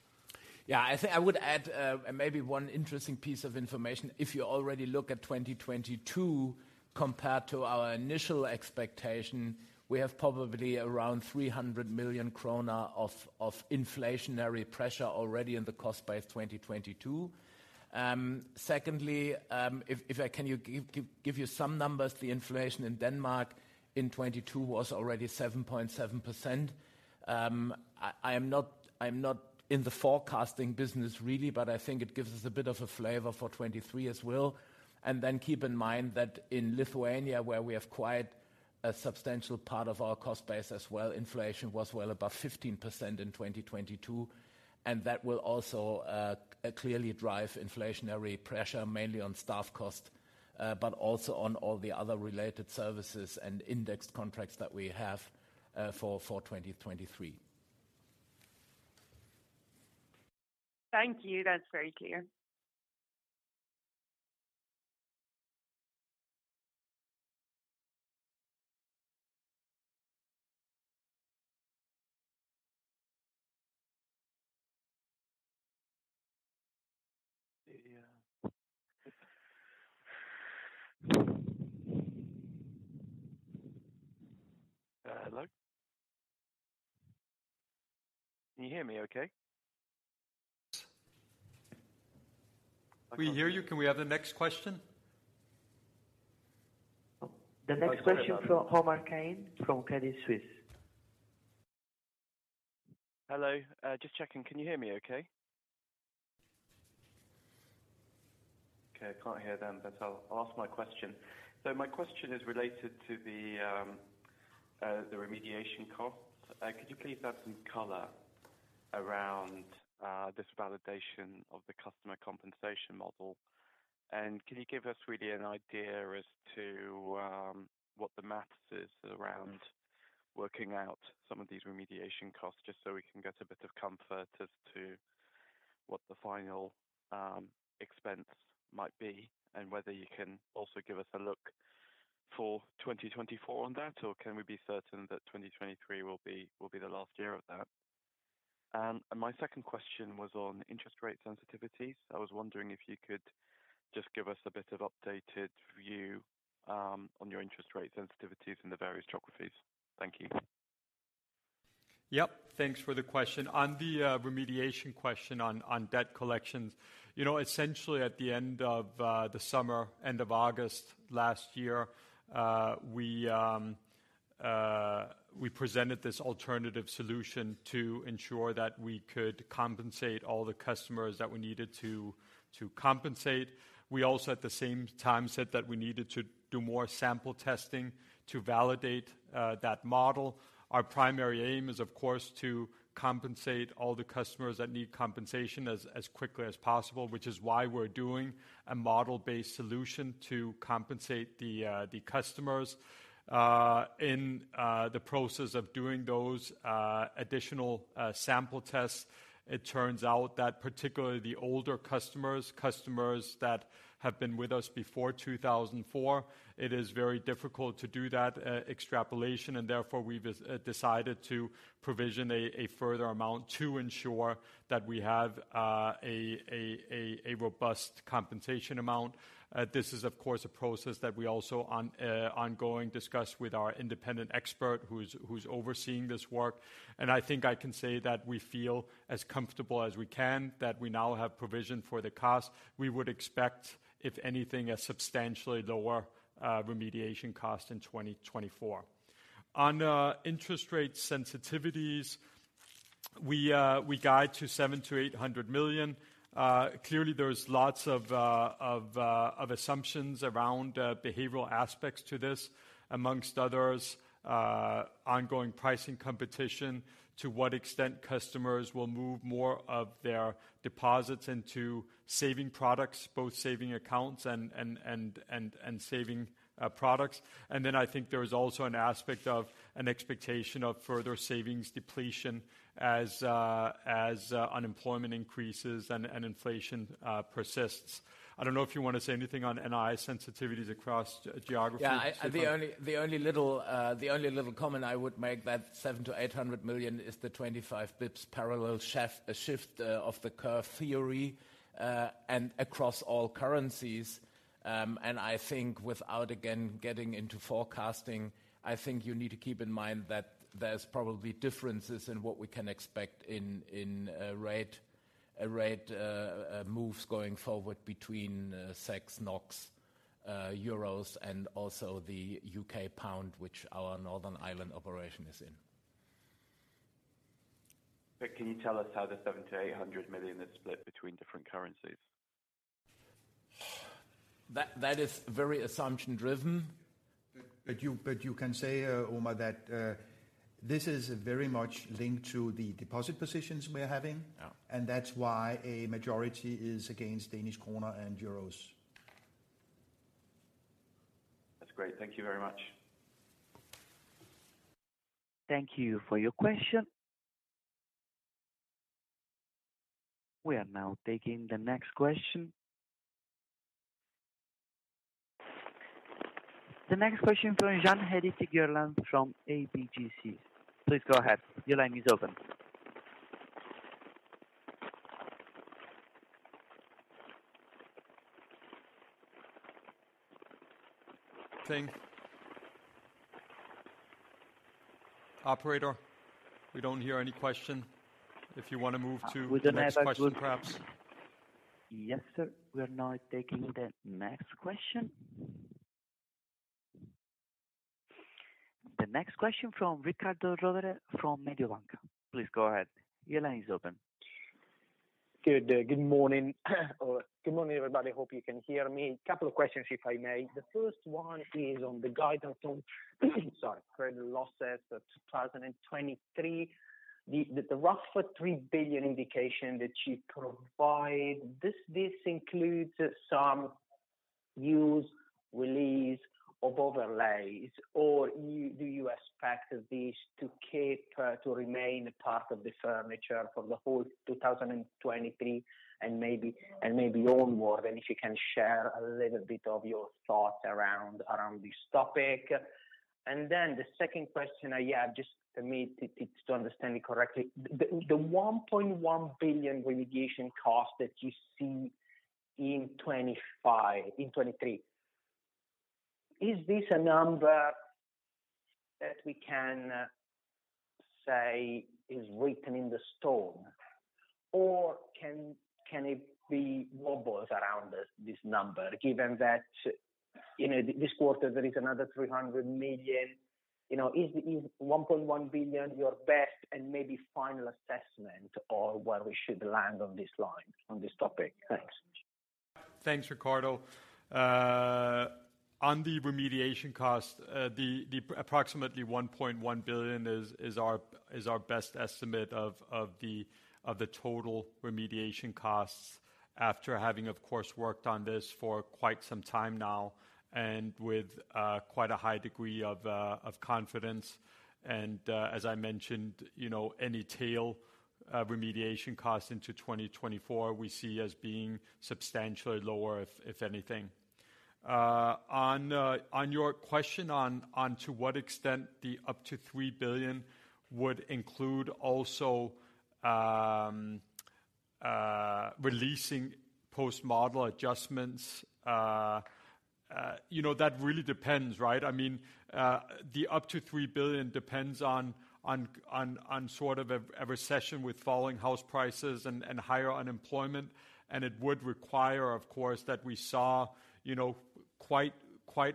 Yeah. I think I would add, maybe one interesting piece of information. If you already look at 2022 compared to our initial expectation, we have probably around 300 million kroner of inflationary pressure already in the cost base 2022. Secondly, if I can give you some numbers, the inflation in Denmark in 2022 was already 7.7%. I am not, I'm not in the forecasting business really, I think it gives us a bit of a flavor for 2023 as well. Keep in mind that in Lithuania, where we have quite a substantial part of our cost base as well, inflation was well above 15% in 2022, and that will also clearly drive inflationary pressure mainly on staff cost, but also on all the other related services and indexed contracts that we have for 2023. Thank you. That's very clear. Yeah. hello? Can you hear me okay? We hear you. Can we have the next question? The next question from Omar Keenan from Credit Suisse. Hello. Just checking. Can you hear me okay? Okay. I can't hear them. I'll ask my question. My question is related to the remediation cost. Could you please add some color around this validation of the customer compensation model? Can you give us really an idea as to what the maths is around working out some of these remediation costs, just so we can get a bit of comfort as to what the final expense might be, and whether you can also give us a look for 2024 on that, or can we be certain that 2023 will be the last year of that? My second question was on interest rate sensitivities. I was wondering if you could just give us a bit of updated view, on your interest rate sensitivities in the various geographies. Thank you. Yep. Thanks for the question. On the remediation question on debt collections. You know, essentially at the end of the summer, end of August last year, we presented this alternative solution to ensure that we could compensate all the customers that we needed to compensate. We also at the same time said that we needed to do more sample testing to validate that model. Our primary aim is of course, to compensate all the customers that need compensation as quickly as possible, which is why we're doing a model-based solution to compensate the customers. In the process of doing those additional sample tests, it turns out that particularly the older customers that have been with us before 2004, it is very difficult to do that e-extrapolation, and therefore we've decided to provision a further amount to ensure that we have a robust compensation amount. This is of course a process that we also ongoing discuss with our independent expert who's overseeing this work. I think I can say that we feel as comfortable as we can that we now have provision for the cost. We would expect, if anything, a substantially lower remediation cost in 2024. On interest rate sensitivities, we guide to 700 million-800 million. Clearly there's lots of assumptions around behavioral aspects to this, amongst others, ongoing pricing competition, to what extent customers will move more of their deposits into saving products, both saving accounts and saving products. I think there is also an aspect of an expectation of further savings depletion as unemployment increases and inflation persists. I don't know if you want to say anything on NI sensitivities across geography? The only, the only little, the only little comment I would make that 700 million-800 million is the 25 basis points parallel shift of the curve theory, and across all currencies. I think without again getting into forecasting, I think you need to keep in mind that there's probably differences in what we can expect in rate moves going forward between SEK, NOK, euros and also the UK pound, which our Northern Ireland operation is in. Can you tell us how the 700 million-800 million is split between different currencies? That is very assumption driven. You can say, Omar Keenan, that this is very much linked to the deposit positions we're having. Yeah. That's why a majority is against Danish kroner and euros. That's great. Thank you very much. Thank you for your question. We are now taking the next question. The next question from Jean-Henri de Gerlache from ABGC. Please go ahead. Your line is open. Thing. Operator, we don't hear any question. If you wanna move to the next question perhaps. Yes, sir. We are now taking the next question. The next question from Riccardo Rovere from Mediobanca. Please go ahead. Your line is open. Good morning. Good morning, everybody. Hope you can hear me. Couple of questions if I may. The first one is on the guidance on sorry, credit losses of 2023. The rough 3 billion indication that you provide, this includes some use release of overlays or do you expect this to keep to remain part of the furniture for the whole 2023 and maybe and maybe onward? If you can share a little bit of your thoughts around this topic. The second question I have just for me to understand it correctly. The 1.1 billion remediation cost that you see in 2023, is this a number that we can say is written in the stone? Can it be wobbles around this number given that, you know, this quarter there is another 300 million. You know, is 1.1 billion your best and maybe final assessment on where we should land on this line, on this topic? Thanks. Thanks, Riccardo. On the remediation cost, the approximately 1.1 billion is our best estimate of the total remediation costs after having of course worked on this for quite some time now and with quite a high degree of confidence. As I mentioned, you know, any tail of remediation cost into 2024, we see as being substantially lower if anything. On your question to what extent the up to 3 billion would include also releasing post model adjustments. You know, that really depends, right? The up to 3 billion depends on sort of a recession with falling house prices and higher unemployment. It would require of course, that we saw quite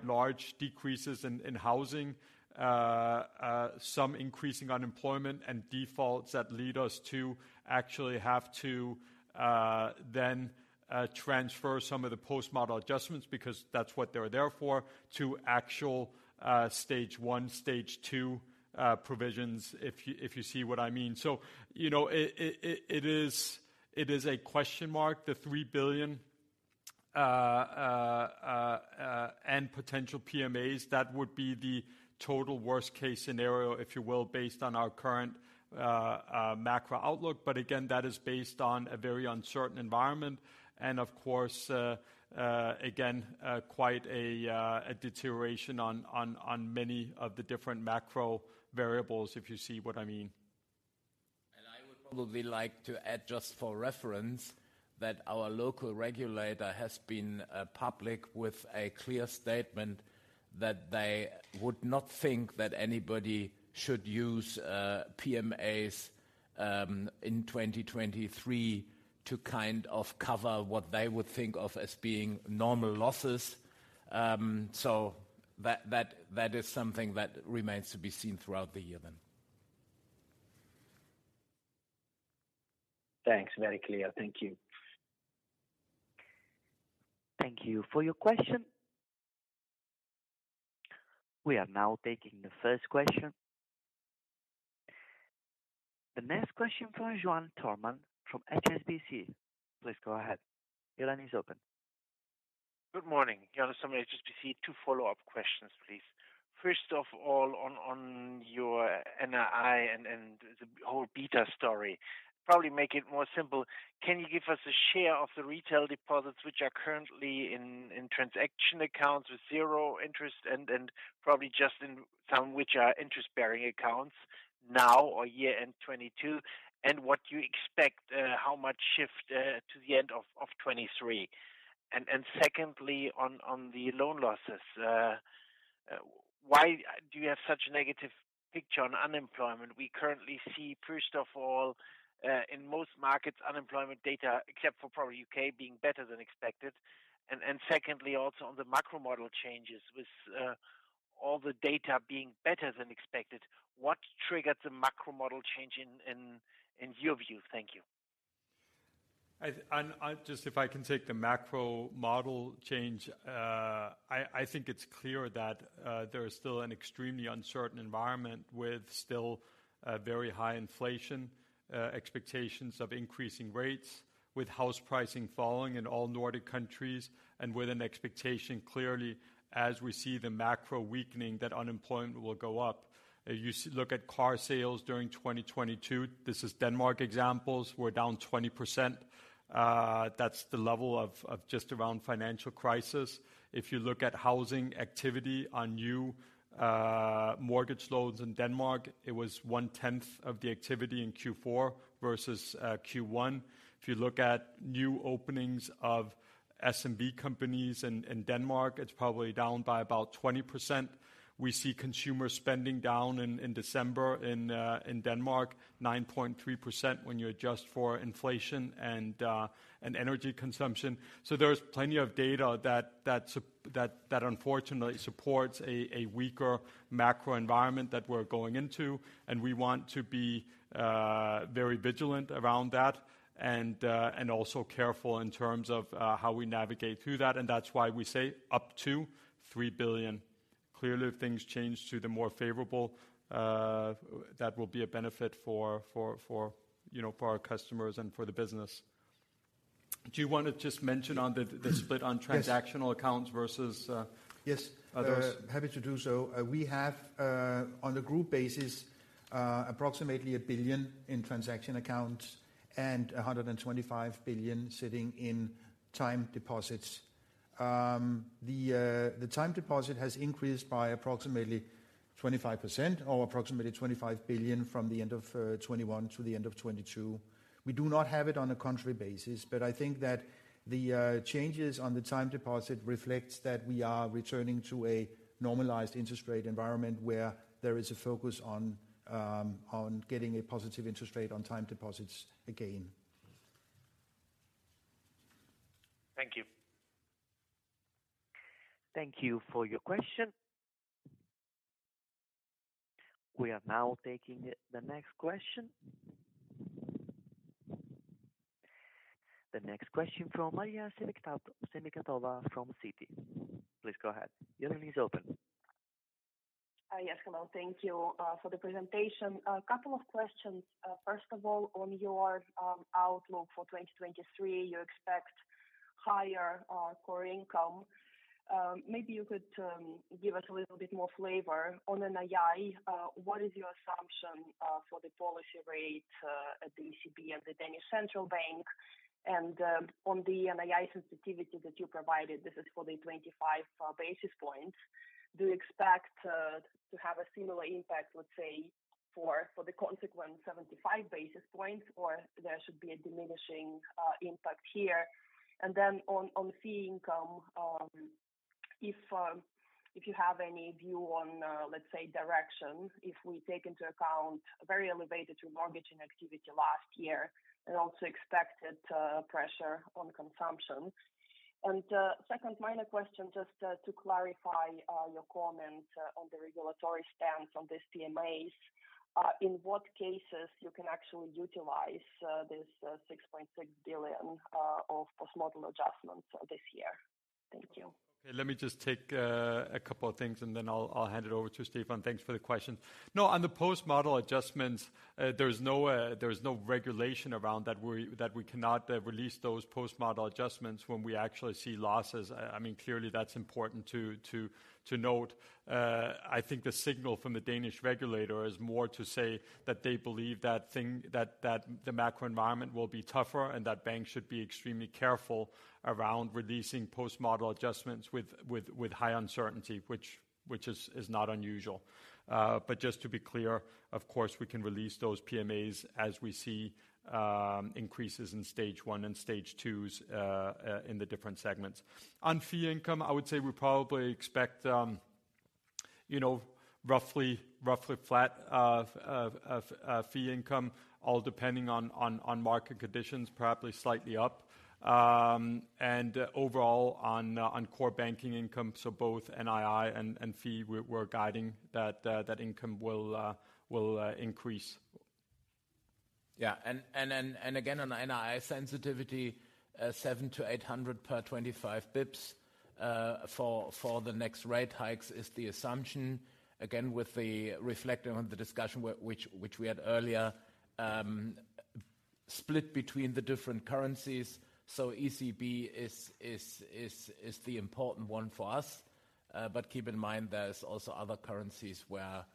large decreases in housing. Some increasing unemployment and defaults that lead us to actually have to then transfer some of the post-model adjustments because that's what they're there for, to actual Stage 1, Stage 2 provisions, if you see what I mean. It is a question mark. The 3 billion and potential PMAs, that would be the total worst case scenario, if you will, based on our current macro outlook. Again, that is based on a very uncertain environment. Of course, again, quite a deterioration on many of the different macro variables, if you see what I mean. I would probably like to add just for reference that our local regulator has been public with a clear statement that they would not think that anybody should use PMAs in 2023 to kind of cover what they would think of as being normal losses. That is something that remains to be seen throughout the year then. Thanks. Very clear. Thank you. Thank you for your question. We are now taking the first question. The next question from Joachim Gunell from HSBC. Please go ahead. Your line is open. Good morning. Joachim Gunell, HSBC. Two follow-up questions, please. First of all, on your NII and the whole beta story, probably make it more simple. Can you give us a share of the retail deposits which are currently in transaction accounts with 0 interest and probably just in some which are interest-bearing accounts now or year-end 2022, and what you expect how much shift to the end of 2023? Secondly, on the loan losses, why do you have such a negative picture on unemployment? We currently see, first of all, in most markets, unemployment data, except for probably U.K., being better than expected. Also, on the macro model changes with all the data being better than expected, what triggered the macro model change in your view? Thank you. Just if I can take the macro model change. I think it's clear that there is still an extremely uncertain environment with still very high inflation, expectations of increasing rates with house pricing falling in all Nordic countries and with an expectation clearly as we see the macro weakening that unemployment will go up. You look at car sales during 2022, this is Denmark examples, we're down 20%. That's the level of just around financial crisis. If you look at housing activity on new mortgage loans in Denmark, it was one-tenth of the activity in Q4 versus Q1. If you look at new openings of SMB companies in Denmark, it's probably down by about 20%. We see consumer spending down in December in Denmark, 9.3% when you adjust for inflation and energy consumption. There's plenty of data that unfortunately supports a weaker macro environment that we're going into, and we want to be very vigilant around that and also careful in terms of how we navigate through that, and that's why we say up to 3 billion. Clearly, if things change to the more favorable, that will be a benefit for our customers and for the business. Do you wanna just mention on the split on- Yes. transactional accounts versus Yes. Others? Happy to do so. We have on a group basis approximately 1 billion in transaction accounts and 125 billion sitting in time deposits. The time deposit has increased by approximately 25% or approximately 25 billion from the end of 2021 to the end of 2022. We do not have it on a country basis, but I think that the changes on the time deposit reflects that we are returning to a normalized interest rate environment where there is a focus on getting a positive interest rate on time deposits again. Thank you. Thank you for your question. We are now taking the next question. The next question from Maria Semikhatova from Citi. Please go ahead. Your line is open. Yes, hello. Thank you for the presentation. A couple of questions. First of all, on your outlook for 2023, you expect higher core income. Maybe you could give us a little bit more flavor on NII. What is your assumption for the policy rate at the ECB and the Danish Central Bank? On the NII sensitivity that you provided, this is for the 25 basis points. Do you expect to have a similar impact, let's say, for the consequent 75 basis points, or there should be a diminishing impact here? Then on fee income, if you have any view on, let's say, direction, if we take into account a very elevated remortgaging activity last year and also expected pressure on consumption. Second minor question, just to clarify, your comment on the regulatory stance on these PMAs. In what cases you can actually utilize this 6.6 billion of post-model adjustments this year? Thank you. Okay. Let me just take a couple of things, and then I'll hand it over to Stephan. Thanks for the question. On the post-model adjustments, there's no, there's no regulation around that we, that we cannot release those post-model adjustments when we actually see losses. I mean, clearly that's important to note. I think the signal from the Danish regulator is more to say that they believe that the macro environment will be tougher and that banks should be extremely careful around releasing post-model adjustments with high uncertainty, which is not unusual. Just to be clear, of course, we can release those PMAs as we see increases in Stage 1 and Stage 2s in the different segments. On fee income, I would say we probably expect, you know, roughly flat fee income, all depending on market conditions, probably slightly up. Overall on core banking income, so both NII and fee we're guiding that income will increase. Yeah. Again, on NII sensitivity, 700-800 per 25 basis points for the next rate hikes is the assumption. Again, with the reflecting on the discussion which we had earlier, split between the different currencies. ECB is the important one for us. Keep in mind there's also other currencies where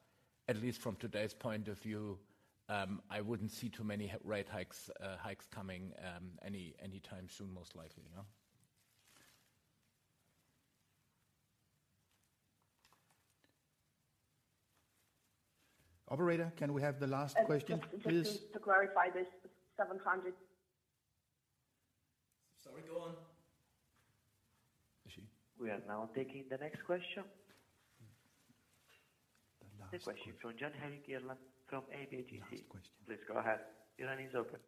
at least from today's point of view, I wouldn't see too many rate hikes coming anytime soon, most likely, you know. Operator, can we have the last question, please? Just to clarify this 700. Sorry, go on. Is she- We are now taking the next question. The last question. This question from Johan Ekblom from UBS. Last question. Please go ahead. Your line is open.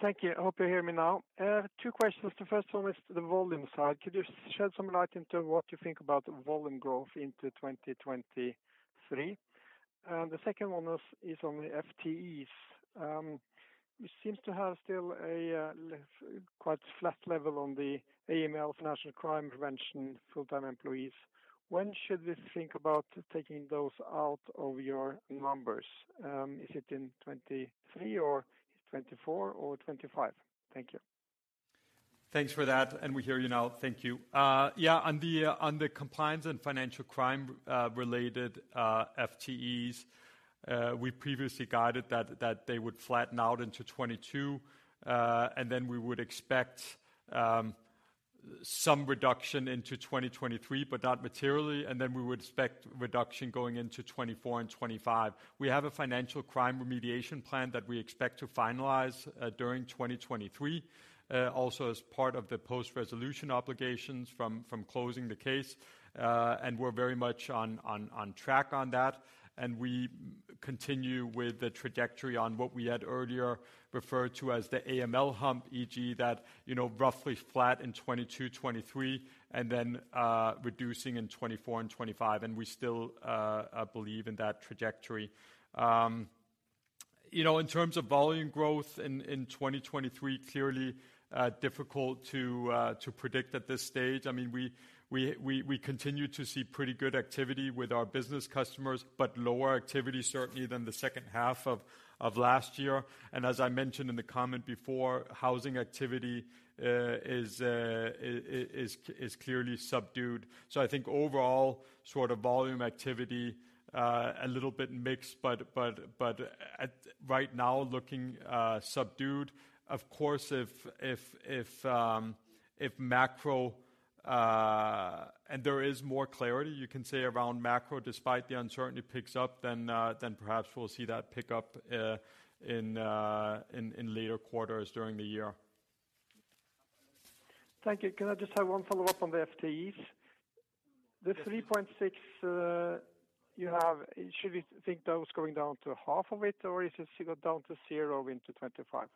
Thank you. I hope you hear me now. Two questions. The first one is the volume side. Could you shed some light into what you think about volume growth into 2023? The second one is on the FTEs. you seems to have still a quite flat level on the AML's national crime prevention full-time employees. When should we think about taking those out of your numbers? Is it in 23, or 24 or 25? Thank you. Thanks for that. We hear you now. Thank you. Yeah, on the compliance and financial crime related FTEs, we previously guided that they would flatten out into 2022. Then we would expect some reduction into 2023, but not materially. Then we would expect reduction going into 2024 and 2025. We have a financial crime remediation plan that we expect to finalize during 2023. Also as part of the post-resolution obligations from closing the case. We're very much on track on that, and we continue with the trajectory on what we had earlier referred to as the AML hump, e.g., that, you know, roughly flat in 2022, 2023, and then reducing in 2024 and 2025. We still believe in that trajectory. You know, in terms of volume growth in 2023, clearly difficult to predict at this stage. I mean, we continue to see pretty good activity with our business customers, but lower activity certainly than the second half of last year. As I mentioned in the comment before, housing activity is clearly subdued. I think overall sort of volume activity a little bit mixed, but at right now looking subdued. Of course, if macro, and there is more clarity you can say around macro despite the uncertainty picks up, then perhaps we'll see that pick up in later quarters during the year. Thank you. Can I just have one follow-up on the FTEs? Yes. The 3.6 you have, should we think those going down to half of it, or is it go down to 0 into 2025?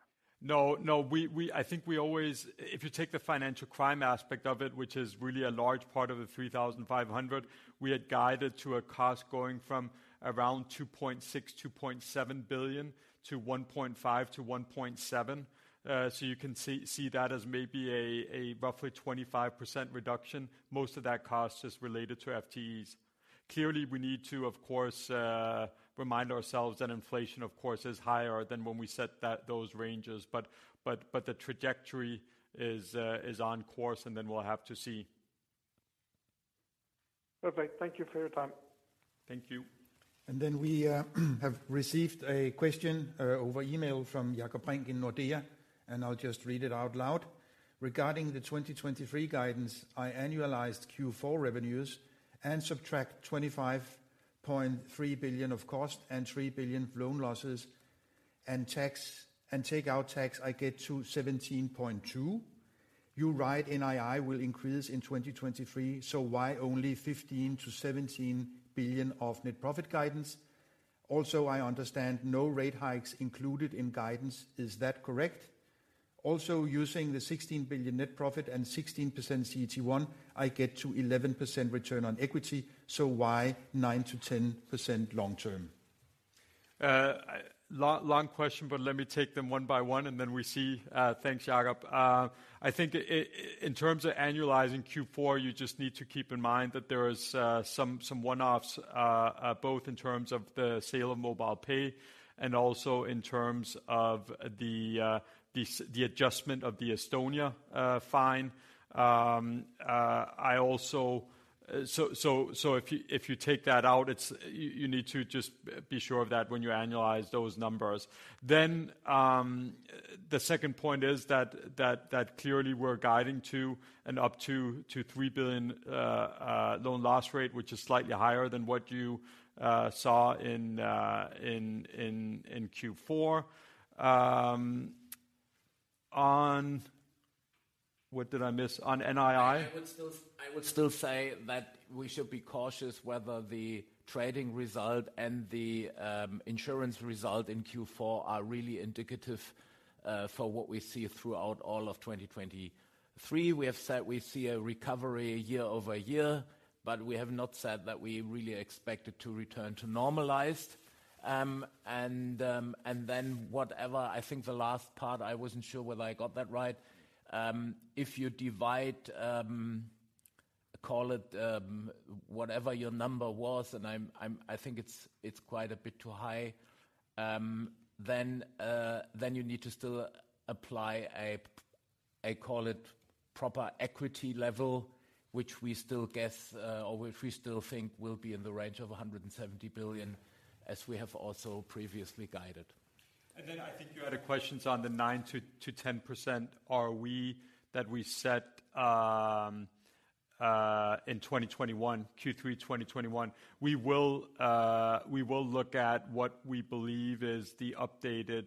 No, no. We I think we always if you take the financial crime aspect of it, which is really a large part of the 3,500, we had guided to a cost going from around 2.6 billion-2.7 billion to 1.5 billion-1.7 billion. So you can see that as maybe a roughly 25% reduction. Most of that cost is related to FTEs. Clearly, we need to, of course, remind ourselves that inflation, of course, is higher than when we set that, those ranges, but the trajectory is on course, and then we'll have to see. Perfect. Thank you for your time. Thank you. We have received a question over email from Jacob Frank in Nordea, and I will just read it out loud. Regarding the 2023 guidance, I annualized Q4 revenues and subtract 25.3 billion of cost and 3 billion loan losses and tax, and take out tax, I get to 17.2. You write NII will increase in 2023, why only 15 billion-17 billion of net profit guidance? I understand no rate hikes included in guidance. Is that correct? Using the 16 billion net profit and 16% CET1, I get to 11% return on equity, why 9%-10% long term? Long question, let me take them one by one, we see, thanks, Jacob Frank. I think in terms of annualizing Q4, you just need to keep in mind that there is some one-offs, both in terms of the sale of MobilePay and also in terms of the adjustment of the Estonia fine. If you take that out, it's you need to just be sure of that when you annualize those numbers. The second point is that clearly we're guiding to an up to 3 billion loan loss rate, which is slightly higher than what you saw in Q4. What did I miss? On NII. I would still say that we should be cautious whether the trading result and the insurance result in Q4 are really indicative for what we see throughout all of 2023. We have said we see a recovery year-over-year. We have not said that we really expect it to return to normalized. Then whatever, I think the last part, I wasn't sure whether I got that right. If you divide, call it, whatever your number was, and I think it's quite a bit too high. You need to still apply a call it proper equity level, which we still guess or if we still think will be in the range of 170 billion, as we have also previously guided. I think you had questions on the 9%-10% ROE that we set in 2021, Q3 2021. We will look at what we believe is the updated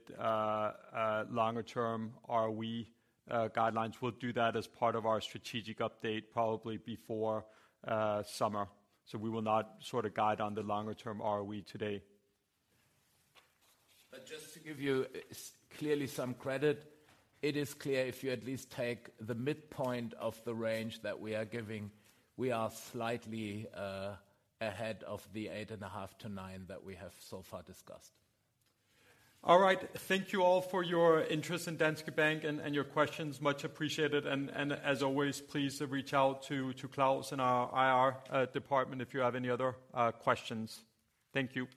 longer term ROE guidelines. We'll do that as part of our strategic update probably before summer. We will not sort of guide on the longer term ROE today. Just to give you clearly some credit. It is clear if you at least take the midpoint of the range that we are giving, we are slightly ahead of the eight and a half to nine that we have so far discussed. All right. Thank you all for your interest in Danske Bank and your questions. Much appreciated, and as always, please reach out to Claus in our IR department if you have any other questions. Thank you.